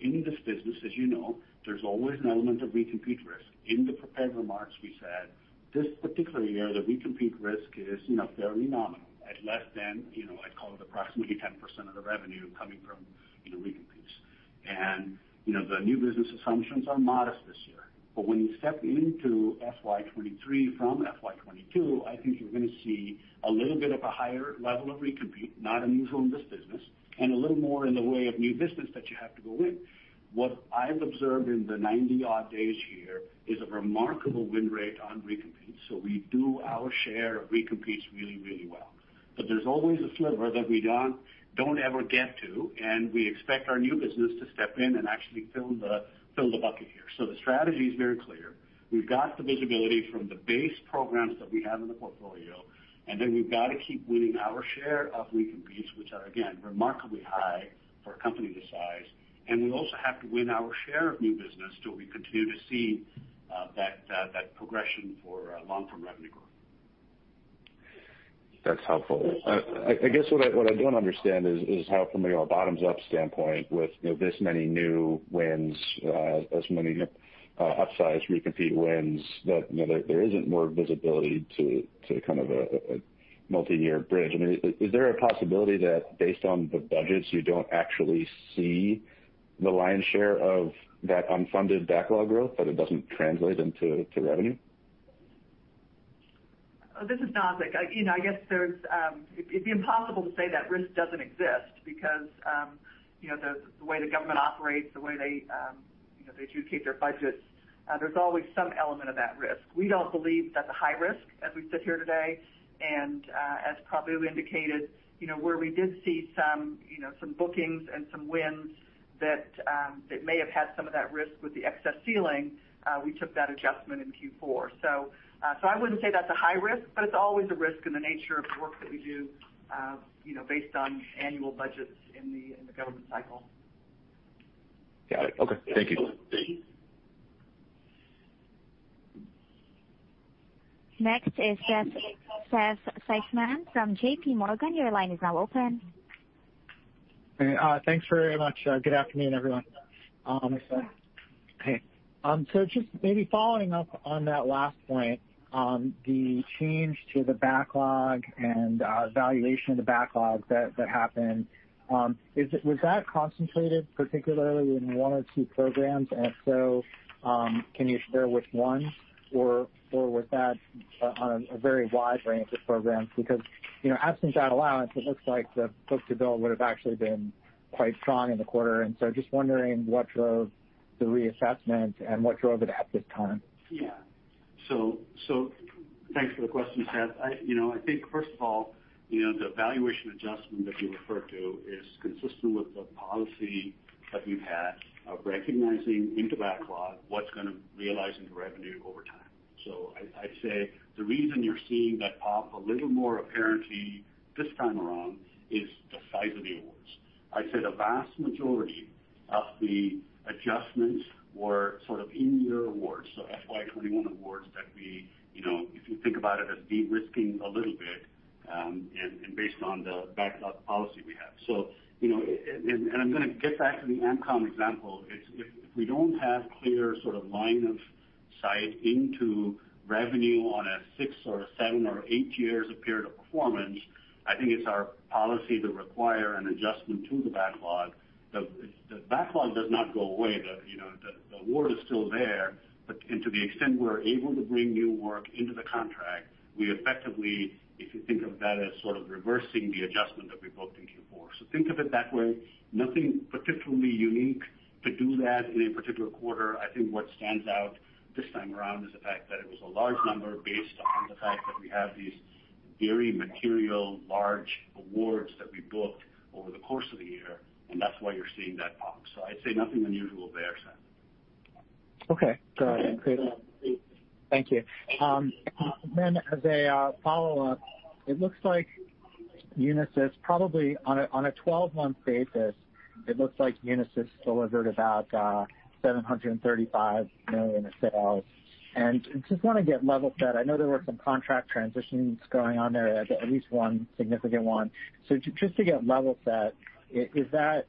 In this business, as you know, there's always an element of recompete risk. In the prepared remarks we said, this particular year, the recompete risk is, you know, very nominal at less than, you know, I'd call it approximately 10% of the revenue coming from, you know, recompetes. You know, the new business assumptions are modest this year. When you step into FY 2023 from FY 2022, I think you're gonna see a little bit of a higher level of recompete, not unusual in this business, and a little more in the way of new business that you have to go win. What I've observed in the 90-odd days here is a remarkable win rate on recompetes. We do our share of recompetes really, really well. There's always a sliver that we don't ever get to, and we expect our new business to step in and actually fill the bucket here. The strategy is very clear. We've got the visibility from the base programs that we have in the portfolio, and then we've got to keep winning our share of recompetes, which are again, remarkably high for a company this size. We also have to win our share of new business to continue to see that progression for long-term revenue growth. That's helpful. I guess what I don't understand is how from a bottoms-up standpoint with you know this many new wins as many upsized recompete wins that you know there isn't more visibility to kind of a multi-year bridge. I mean is there a possibility that based on the budgets you don't actually see the lion's share of that unfunded backlog growth but it doesn't translate into revenue? This is Nazzic. You know, I guess there's it'd be impossible to say that risk doesn't exist because you know, the way the government operates, the way they you know, they allocate their budgets, there's always some element of that risk. We don't believe that's a high risk as we sit here today. As Prabu indicated, you know, where we did see some you know, some bookings and some wins that may have had some of that risk with the excess ceiling, we took that adjustment in Q4. I wouldn't say that's a high risk, but it's always a risk in the nature of the work that we do you know, based on annual budgets in the government cycle. Got it. Okay. Thank you. Thank you. Next is Seth Seifman from J.P. Morgan. Your line is now open. Hey, thanks very much. Good afternoon everyone. Okay. So just maybe following up on that last point, the change to the backlog and valuation of the backlog that happened, was that concentrated particularly in one or two programs? And if so, can you share which ones or was that on a very wide range of programs? Because, you know, absent that allowance, it looks like the book-to-bill would have actually been quite strong in the quarter. Just wondering what drove the reassessment and what drove it at this time. Thanks for the question, Seth. You know I think first of all, you know, the valuation adjustment that you referred to is consistent with the policy that we've had of recognizing into backlog what's gonna realize into revenue over time. I'd say the reason you're seeing that pop a little more apparently this time around is the size of the awards. I'd say the vast majority of the adjustments were sort of in-year awards, FY 2021 awards that we, you know, if you think about it as de-risking a little bit, and based on the backlog policy we have. You know, and I'm gonna get back to the AMCOM example. If we don't have clear sort of line of sight into revenue on a six or seven or eight years of period of performance, I think it's our policy to require an adjustment to the backlog. The backlog does not go away. You know, the award is still there, but and to the extent we're able to bring new work into the contract, we effectively, if you think of that as sort of reversing the adjustment that we booked in Q4. Think of it that way. Nothing particularly unique to do that in a particular quarter. I think what stands out this time around is the fact that it was a large number based on the fact that we have these very material large awards that we booked over the course of the year, and that's why you're seeing that pop. I'd say nothing unusual there Seth. Okay, got it. Great. Thank you. As a follow-up, it looks like Unisys probably on a 12-month basis, it looks like Unisys delivered about $735 million in sales. I just wanna get level set. I know there were some contract transitions going on there, at least one significant one. Just to get level set, is that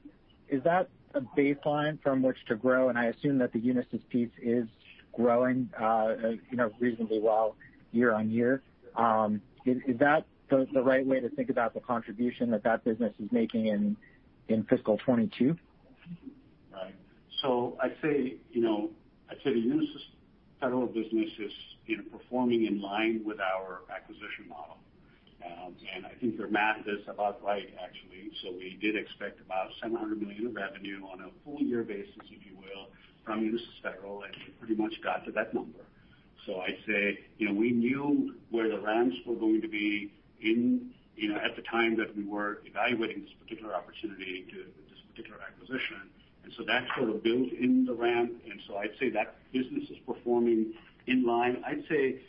a baseline from which to grow? I assume that the Unisys piece is growing, you know, reasonably well year-on-year. Is that the right way to think about the contribution that that business is making in fiscal 2022? Right. I'd say the Unisys Federal business is performing in line with our acquisition model. I think your math is about right, actually. We did expect about $700 million in revenue on a full year basis, if you will, from Unisys Federal, and we pretty much got to that number. I'd say we knew where the ramps were going to be at the time that we were evaluating this particular acquisition. That sort of built in the ramp, and I'd say that business is performing in line. I'd say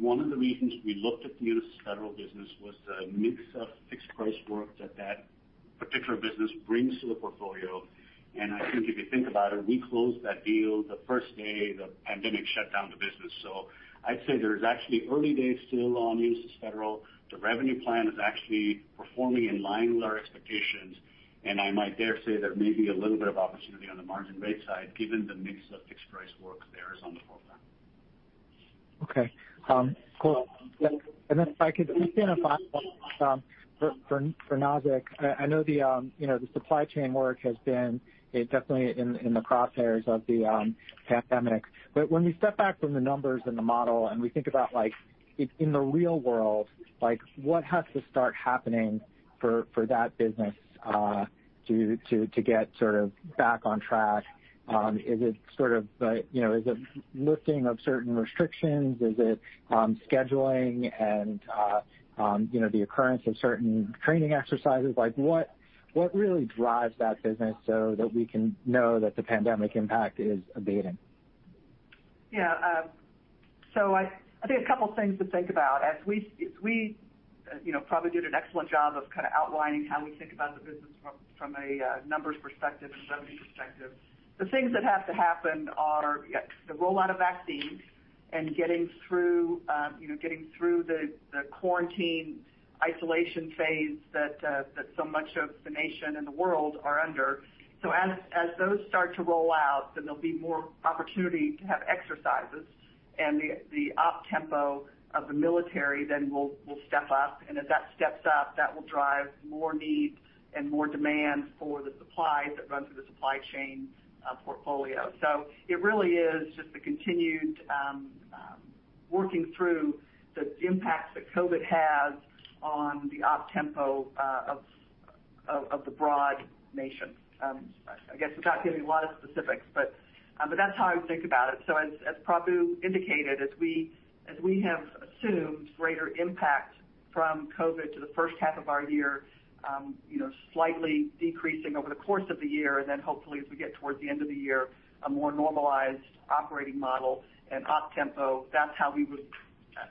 one of the reasons we looked at the Unisys Federal business was the mix of fixed price work that that particular business brings to the portfolio. I think if you think about it, we closed that deal the first day the pandemic shut down the business. I'd say there's actually early days still on Unisys Federal. The revenue plan is actually performing in line with our expectations, and I might dare say there may be a little bit of opportunity on the margin rate side, given the mix of fixed price work there is on the program. Okay cool. Then if I could just get a final one for Nazzic. I know you know the supply chain work has been definitely in the crosshairs of the pandemic. When we step back from the numbers and the model and we think about like in the real world like what has to start happening for that business to get sort of back on track, is it sort of you know lifting of certain restrictions? Is it scheduling and you know the occurrence of certain training exercises? Like what really drives that business so that we can know that the pandemic impact is abating? Yeah. I think a couple things to think about. As we you know probably did an excellent job of kind of outlining how we think about the business from a numbers perspective and revenue perspective. The things that have to happen are the rollout of vaccines and getting through you know the quarantine isolation phase that so much of the nation and the world are under. As those start to roll out, then there'll be more opportunity to have exercises and the op tempo of the military then will step up. As that steps up, that will drive more needs and more demand for the supplies that run through the supply chain portfolio. It really is just the continued working through the impact that COVID has on the op tempo of the broad nation. I guess without giving a lot of specifics, but that's how I would think about it. As Prabu indicated, as we have assumed greater impact from COVID to the first half of our year, you know, slightly decreasing over the course of the year, and then hopefully as we get towards the end of the year, a more normalized operating model and op tempo, that's how we would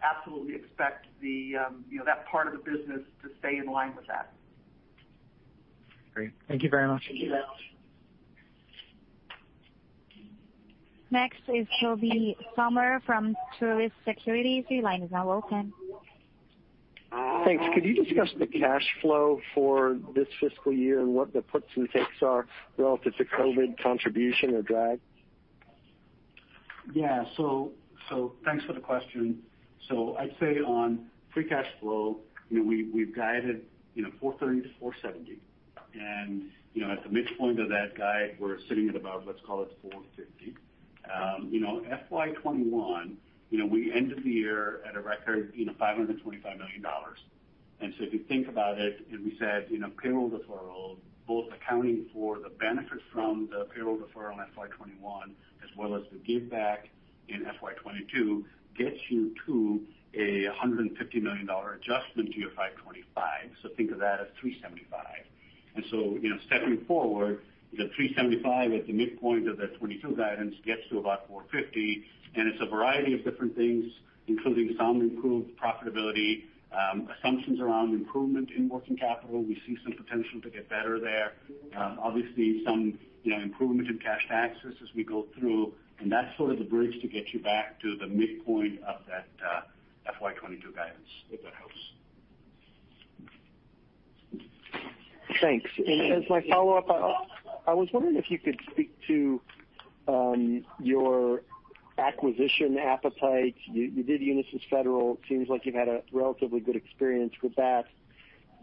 absolutely expect that part of the business to stay in line with that. Great. Thank you very much. Thank you. Next is Tobey Sommer from Truist Securities. Your line is now open. Thanks. Could you discuss the cash flow for this fiscal year and what the puts and takes are relative to COVID contribution or drag? Yeah. Thanks for the question. I'd say on free cash flow, you know, we've guided $430 million-$470 million. You know, at the midpoint of that guide, we're sitting at about, let's call it $450 million. You know, FY 2021, you know, we ended the year at a record $525 million. If you think about it, we said, you know, payroll deferral, both accounting for the benefit from the payroll deferral in FY 2021 as well as the giveback in FY 2022 gets you to a $150 million adjustment to your $525. Think of that as $375. You know, stepping forward, the $375 at the midpoint of the 2022 guidance gets to about $450. It's a variety of different things, including some improved profitability, assumptions around improvement in working capital. We see some potential to get better there. Obviously some, you know, improvement in cash taxes as we go through. That's sort of the bridge to get you back to the midpoint of that, FY 2022 guidance, if that helps. Thanks. As my follow-up, I was wondering if you could speak to your acquisition appetite. You did Unisys Federal. Seems like you've had a relatively good experience with that.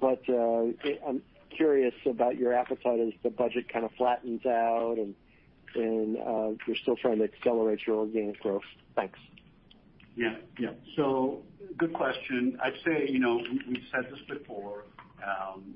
I'm curious about your appetite as the budget kind of flattens out and you're still trying to accelerate your organic growth. Thanks. Yeah. Good question. I'd say, you know, we've said this before,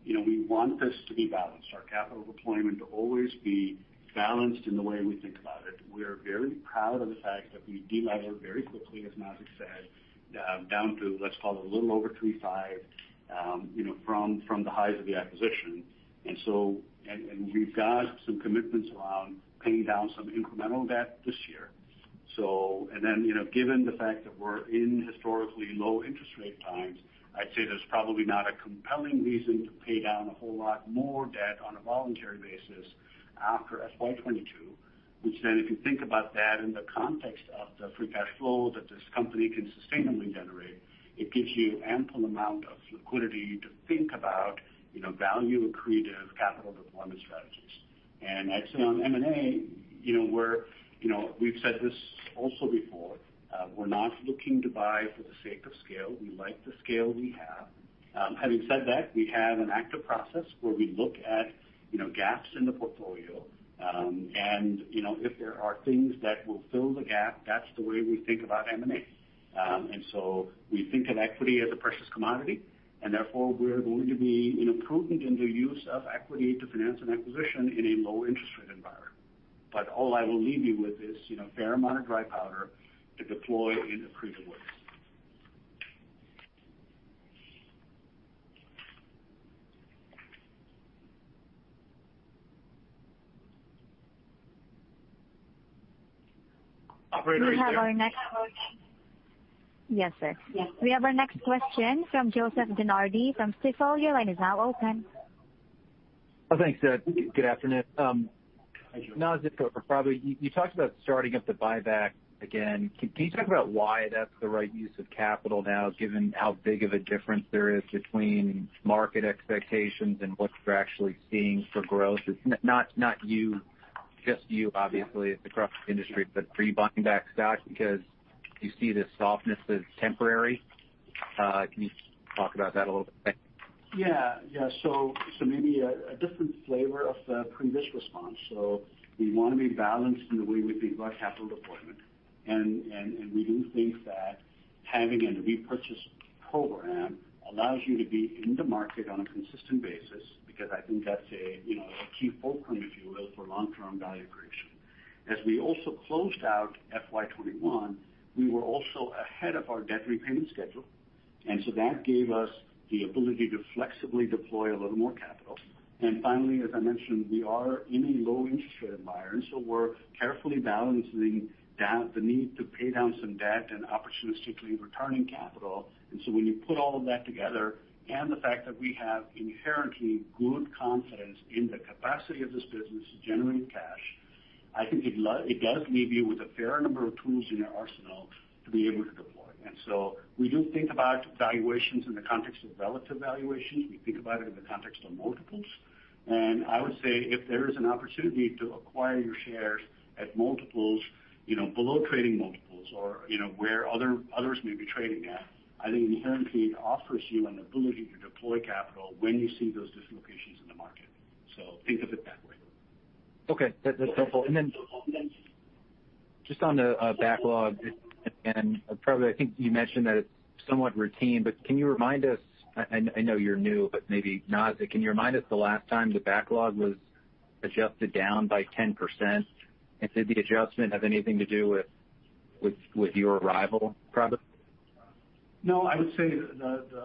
you know, we want this to be balanced, our capital deployment to always be balanced in the way we think about it. We're very proud of the fact that we de-levered very quickly, as Nazzic said, down to, let's call it a little over 3.5, you know, from the highs of the acquisition. We've got some commitments around paying down some incremental debt this year. Then, you know, given the fact that we're in historically low interest rate times, I'd say there's probably not a compelling reason to pay down a whole lot more debt on a voluntary basis after FY 2022. Which then if you think about that in the context of the free cash flow that this company can sustainably generate, it gives you ample amount of liquidity to think about, you know, value accretive capital deployment strategies. I'd say on M&A, you know we're, you know, we've said this also before, we're not looking to buy for the sake of scale. We like the scale we have. Having said that, we have an active process where we look at, you know, gaps in the portfolio. You know, if there are things that will fill the gap, that's the way we think about M&A. We think of equity as a precious commodity, and therefore we're going to be, you know, prudent in the use of equity to finance an acquisition in a low interest rate environment. all I will leave you with is, you know, a fair amount of dry powder to deploy in accretive ways. Operator, we have. Yes sir. We have our next question from Joseph DeNardi from Stifel. Your line is now open. Oh, thanks. Good afternoon. Hi Joe. Nazzic, or Prabhu, you talked about starting up the buyback again. Can you talk about why that's the right use of capital now, given how big of a difference there is between market expectations and what you're actually seeing for growth? It's not just you obviously, it's across the industry, but are you buying back stock because you see the softness as temporary? Can you talk about that a little bit? Thanks. Yeah. Maybe a different flavor of the previous response. We wanna be balanced in the way we think about capital deployment. We do think that having a repurchase program allows you to be in the market on a consistent basis, because I think that's you know a key fulcrum, if you will, for long-term value creation. As we also closed out FY 2021, we were also ahead of our debt repayment schedule, and that gave us the ability to flexibly deploy a little more capital. Finally, as I mentioned, we are in a low interest rate environment, so we're carefully balancing the need to pay down some debt and opportunistically returning capital. when you put all of that together, and the fact that we have inherently good confidence in the capacity of this business to generate cash, I think it does leave you with a fair number of tools in your arsenal to be able to deploy. We do think about valuations in the context of relative valuations. We think about it in the context of multiples. I would say if there is an opportunity to acquire your shares at multiples, you know, below trading multiples or, you know, where other, others may be trading at, I think inherently it offers you an ability to deploy capital when you see those dislocations in the market. Think of it that way. Okay. That's helpful. Just on the backlog, probably I think you mentioned that it's somewhat routine, but can you remind us? I know you're new, but maybe Naz can you remind us the last time the backlog was adjusted down by 10%? Did the adjustment have anything to do with your arrival, Prabhu? No, I would say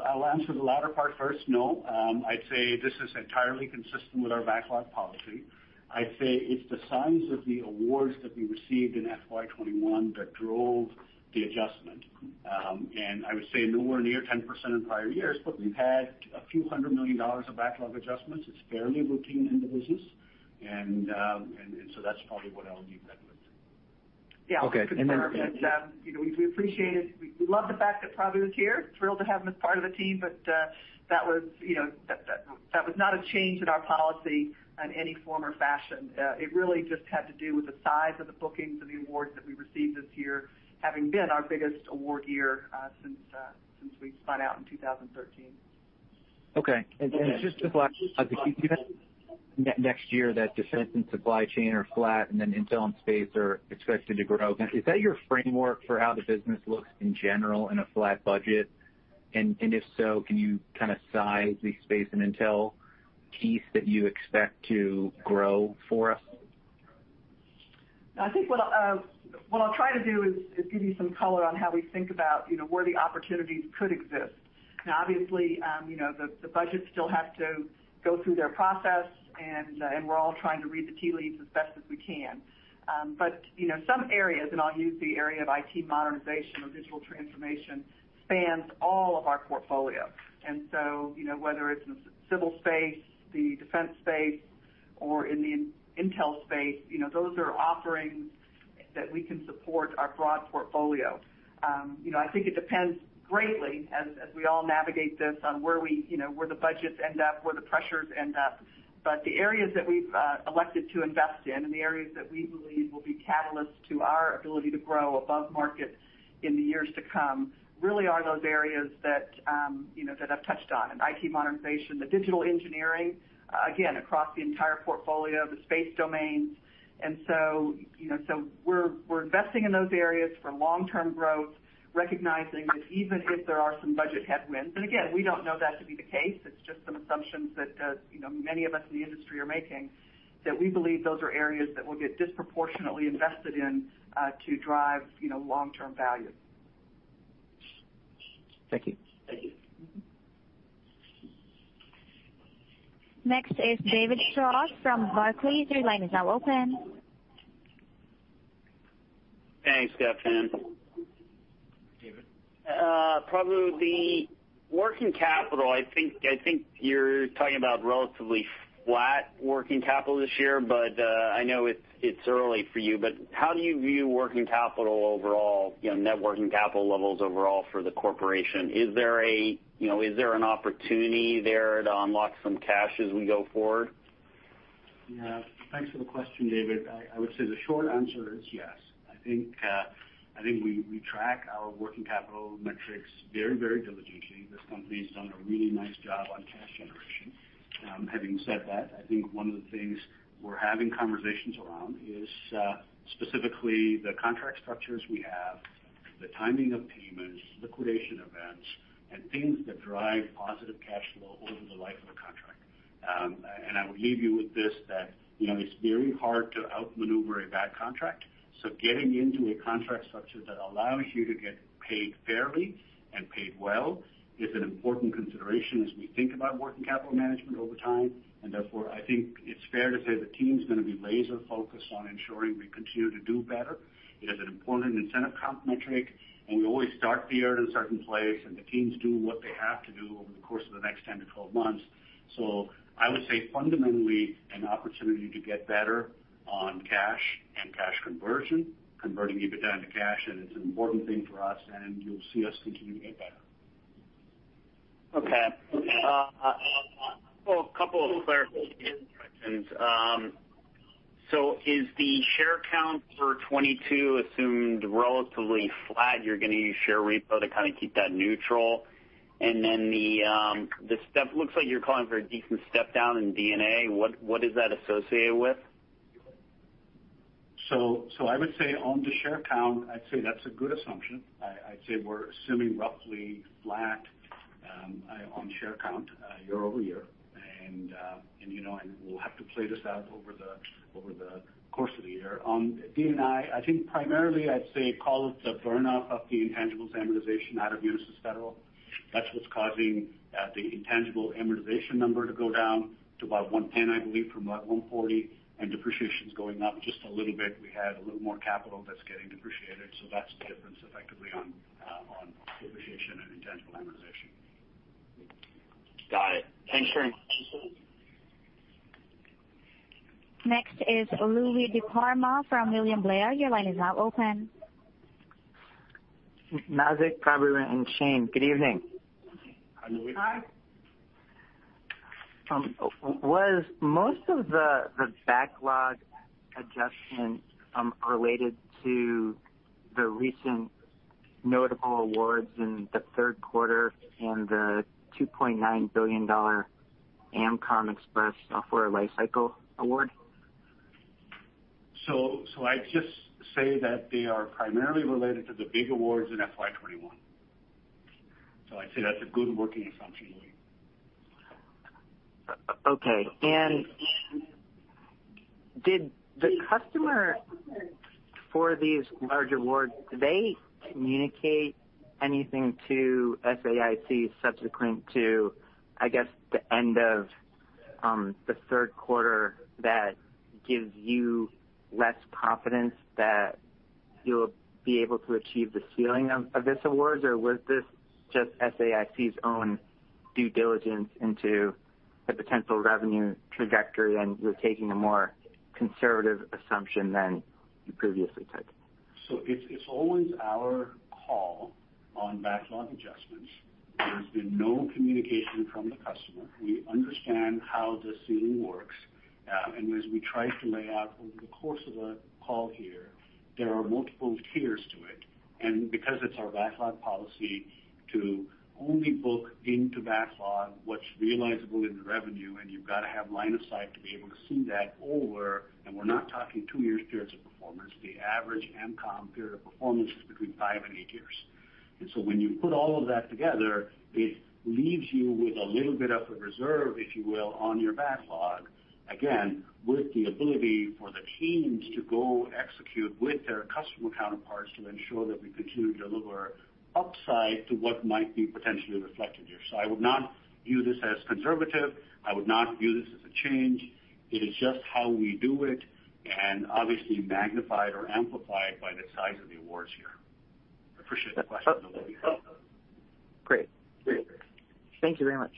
I'll answer the latter part first. No. I'd say this is entirely consistent with our backlog policy. I'd say it's the size of the awards that we received in FY 2021 that drove the adjustment. I would say nowhere near 10% in prior years, but we've had a few hundred million dollars of backlog adjustments. It's fairly routine in the business. So that's probably what I'll leave that with. Okay. Yeah. You know, we appreciate it. We love the fact that Prabhu is here, thrilled to have him as part of the team, but that was not a change in our policy in any form or fashion. It really just had to do with the size of the bookings of the awards that we received this year, having been our biggest award year since we spun out in 2013. Okay. It's just the last, can you give us next year that defense and supply chain are flat and then intel and space are expected to grow? Is that your framework for how the business looks in general in a flat budget? If so, can you kinda size the space and intel piece that you expect to grow for us? I think what I'll try to do is give you some color on how we think about you know where the opportunities could exist. Now, obviously, you know the budgets still have to go through their process and we're all trying to read the tea leaves as best as we can. You know some areas, and I'll use the area of IT modernization or digital transformation, spans all of our portfolio. You know whether it's in civil space, the defense space, or in the intel space, you know those are offerings that we can support our broad portfolio. You know I think it depends greatly as we all navigate this on where you know where the budgets end up, where the pressures end up. The areas that we've elected to invest in and the areas that we believe will be catalysts to our ability to grow above market in the years to come really are those areas that you know that I've touched on. In IT modernization, the digital engineering, again, across the entire portfolio, the space domains. You know, so we're investing in those areas for long-term growth, recognizing that even if there are some budget headwinds, and again, we don't know that to be the case, it's just some assumptions that you know many of us in the industry are making, that we believe those are areas that will get disproportionately invested in to drive you know long-term value. Thank you. Next is David Shaw from Barclays. Your line is now open. Thanks Stephanie. David. Probably the working capital, I think you're talking about relatively flat working capital this year, but I know it's early for you, but how do you view working capital overall, you know, net working capital levels overall for the corporation? Is there, you know, an opportunity there to unlock some cash as we go forward? Yeah. Thanks for the question David. I would say the short answer is yes. I think we track our working capital metrics very, very diligently. This company's done a really nice job on cash generation. Having said that, I think one of the things we're having conversations around is specifically the contract structures we have, the timing of payments, liquidation events, and things that drive positive cash flow over the life of a contract. I will leave you with this, that you know, it's very hard to outmaneuver a bad contract. Getting into a contract structure that allows you to get paid fairly and paid well is an important consideration as we think about working capital management over time. Therefore, I think it's fair to say the team's gonna be laser-focused on ensuring we continue to do better. It is an important incentive comp metric, and we always start the year in a certain place, and the teams do what they have to do over the course of the next 10-12 months. I would say fundamentally an opportunity to get better on cash and cash conversion, converting EBITDA into cash, and it's an important thing for us, and you'll see us continue to get better. Okay. Well, a couple of clarifications. Is the share count for 2022 assumed relatively flat? You're gonna use share repurchases to kinda keep that neutral? Looks like you're calling for a decent step-down in D&A. What is that associated with? I would say on the share count, I'd say that's a good assumption. I'd say we're assuming roughly flat on share count year over year. You know, we'll have to play this out over the course of the year. On D&A, I think primarily I'd say call it the burn-off of the intangibles amortization out of Unisys Federal. That's what's causing the intangible amortization number to go down to about $110, I believe, from about $140, and depreciation's going up just a little bit. We had a little more capital that's getting depreciated, so that's the difference effectively on depreciation and intangible amortization. Got it. Thanks for your. Next is Louie DiPalma from William Blair. Your line is now open. Nazzic, Prabu, and Shane. Good evening. Hi Louie. Was most of the backlog adjustment related to the recent notable awards in the third quarter and the $2.9 billion AMCOM Express Software Lifecycle award? I'd just say that they are primarily related to the big awards in FY 2021. I'd say that's a good working assumption, Louis. Okay. Did the customer for these large awards, did they communicate anything to SAIC subsequent to, I guess, the end of the third quarter that gives you less confidence that you'll be able to achieve the ceiling of this award? Was this just SAIC's own due diligence into the potential revenue trajectory, and you're taking a more conservative assumption than you previously took? It's always our call on backlog adjustments. There's been no communication from the customer. We understand how the ceiling works. As we tried to lay out over the course of the call here, there are multiple tiers to it. Because it's our backlog policy to only book into backlog what's realizable in the revenue, and you've got to have line of sight to be able to see that over, and we're not talking two-year periods of performance. The average AMCOM period of performance is between five and eight years. When you put all of that together, it leaves you with a little bit of a reserve, if you will, on your backlog, again, with the ability for the teams to go execute with their customer counterparts to ensure that we continue to deliver upside to what might be potentially reflected here. I would not view this as conservative. I would not view this as a change. It is just how we do it, and obviously magnified or amplified by the size of the awards here. I appreciate the question, though, Louis. Great. Thank you very much.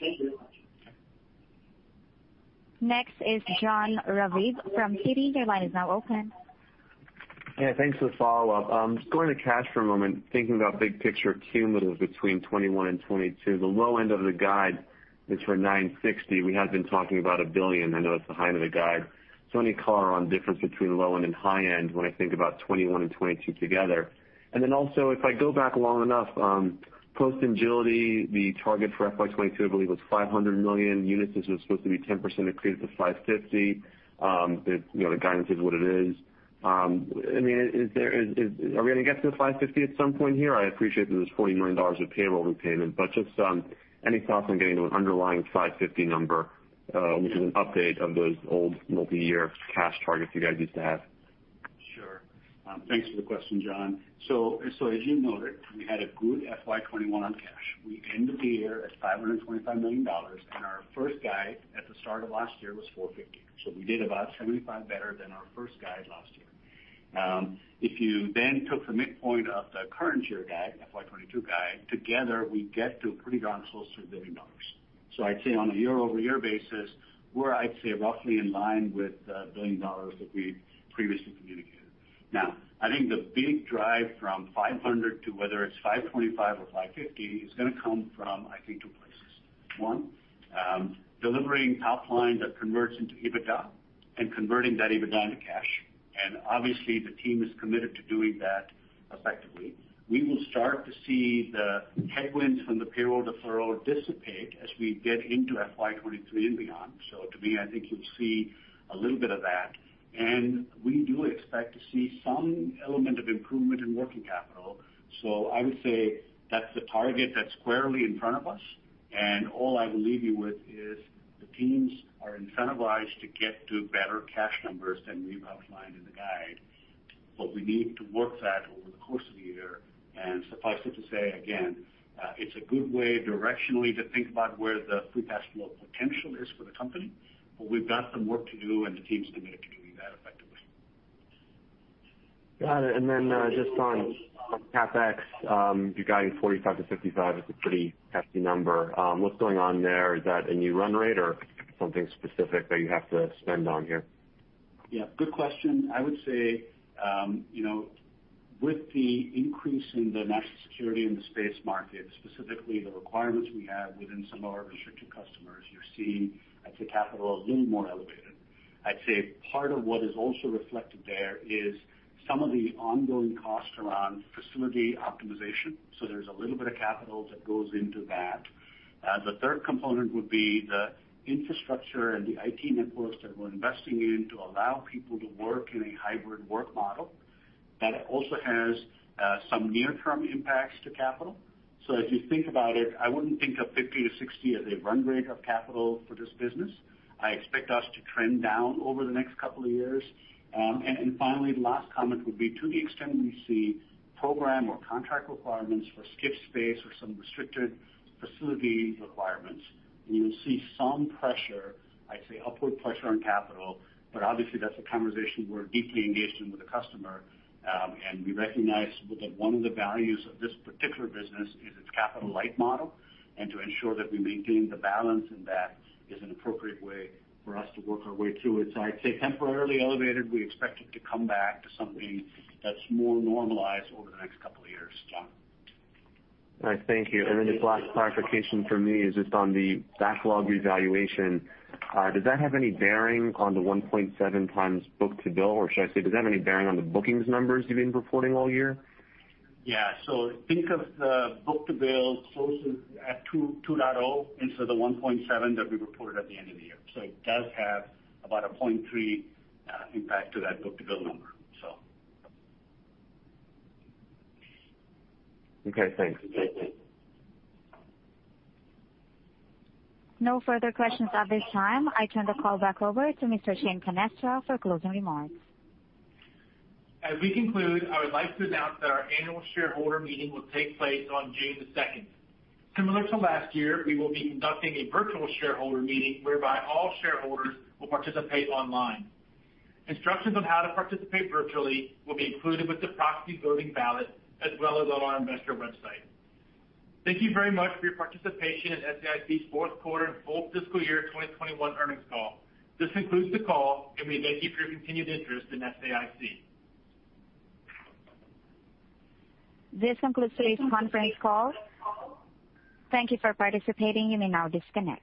Next is Jonathan Raviv from TD. Your line is now open. Yeah. Thanks for the follow-up. Just going to cash for a moment, thinking about big picture cumulative between 2021 and 2022. The low end of the guide is for $960 million. We have been talking about $1 billion. I know it's the high end of the guide. Any color on difference between low end and high end when I think about 2021 and 2022 together? Also, if I go back long enough, post-Engility, the target for FY 2022, I believe, was $500 million. Unisys was supposed to be 10% increase to $550 million. You know, the guidance is what it is. I mean, are we gonna get to the $550 million at some point here? I appreciate that there's $40 million of payable repayment, but just, any thoughts on getting to an underlying 550 number, which is an update of those old multi-year cash targets you guys used to have? Sure. Thanks for the question, Jon. As you noted, we had a good FY 2021 on cash. We ended the year at $525 million, and our first guide at the start of last year was $450. We did about $75 million better than our first guide last year. If you then took the midpoint of the current year guide, FY 2022 guide, together we get to pretty darn close to a billion dollars. I'd say on a year-over-year basis, we're, I'd say, roughly in line with the billion dollars that we'd previously communicated. Now, I think the big drive from $500 to whether it's $525 or $550 is gonna come from, I think, two places. One, delivering top line that converts into EBITDA and converting that EBITDA into cash. Obviously, the team is committed to doing that. We will start to see the headwinds from the payroll deferral dissipate as we get into FY 2023 and beyond. To me, I think you'll see a little bit of that. We do expect to see some element of improvement in working capital. I would say that's the target that's squarely in front of us. All I will leave you with is the teams are incentivized to get to better cash numbers than we've outlined in the guide. We need to work that over the course of the year. Suffice it to say, again, it's a good way directionally to think about where the free cash flow potential is for the company, but we've got some work to do, and the team's committed to doing that effectively. Got it. Just on CapEx, you're guiding $45-$55. It's a pretty hefty number. What's going on there? Is that a new run rate or something specific that you have to spend on here? Yeah, good question. I would say, you know, with the increase in the national security in the space market, specifically the requirements we have within some of our restricted customers, you're seeing, I'd say, capital a little more elevated. I'd say part of what is also reflected there is some of the ongoing costs around facility optimization. There's a little bit of capital that goes into that. The third component would be the infrastructure and the IT networks that we're investing in to allow people to work in a hybrid work model. That also has some near term impacts to capital. As you think about it, I wouldn't think of $50-$60 as a run rate of capital for this business. I expect us to trend down over the next couple of years. Finally, the last comment would be, to the extent we see program or contract requirements for SCIF space or some restricted facility requirements, you'll see some pressure, I'd say upward pressure on capital, but obviously that's a conversation we're deeply engaged in with the customer. We recognize that one of the values of this particular business is its capital light model. To ensure that we maintain the balance in that is an appropriate way for us to work our way through it. I'd say temporarily elevated, we expect it to come back to something that's more normalized over the next couple of years. John. All right. Thank you. Just last clarification from me is just on the backlog revaluation. Does that have any bearing on the 1.7 times book-to-bill? Or should I say, does that have any bearing on the bookings numbers you've been reporting all year? Yeah. Think of the book-to-bill closer at 2.0 instead of the 1.7 that we reported at the end of the year. It does have about a 0.3 impact to that book-to-bill number. Okay, thanks. Thank you. No further questions at this time. I turn the call back over to Mr. Shane Canestra for closing remarks. As we conclude, I would like to announce that our annual shareholder meeting will take place on June 2nd. Similar to last year, we will be conducting a virtual shareholder meeting whereby all shareholders will participate online. Instructions on how to participate virtually will be included with the proxy voting ballot, as well as on our investor website. Thank you very much for your participation in SAIC's fourth quarter and full fiscal year 2021 earnings call. This concludes the call, and we thank you for your continued interest in SAIC. This concludes today's conference call. Thank you for participating. You may now disconnect.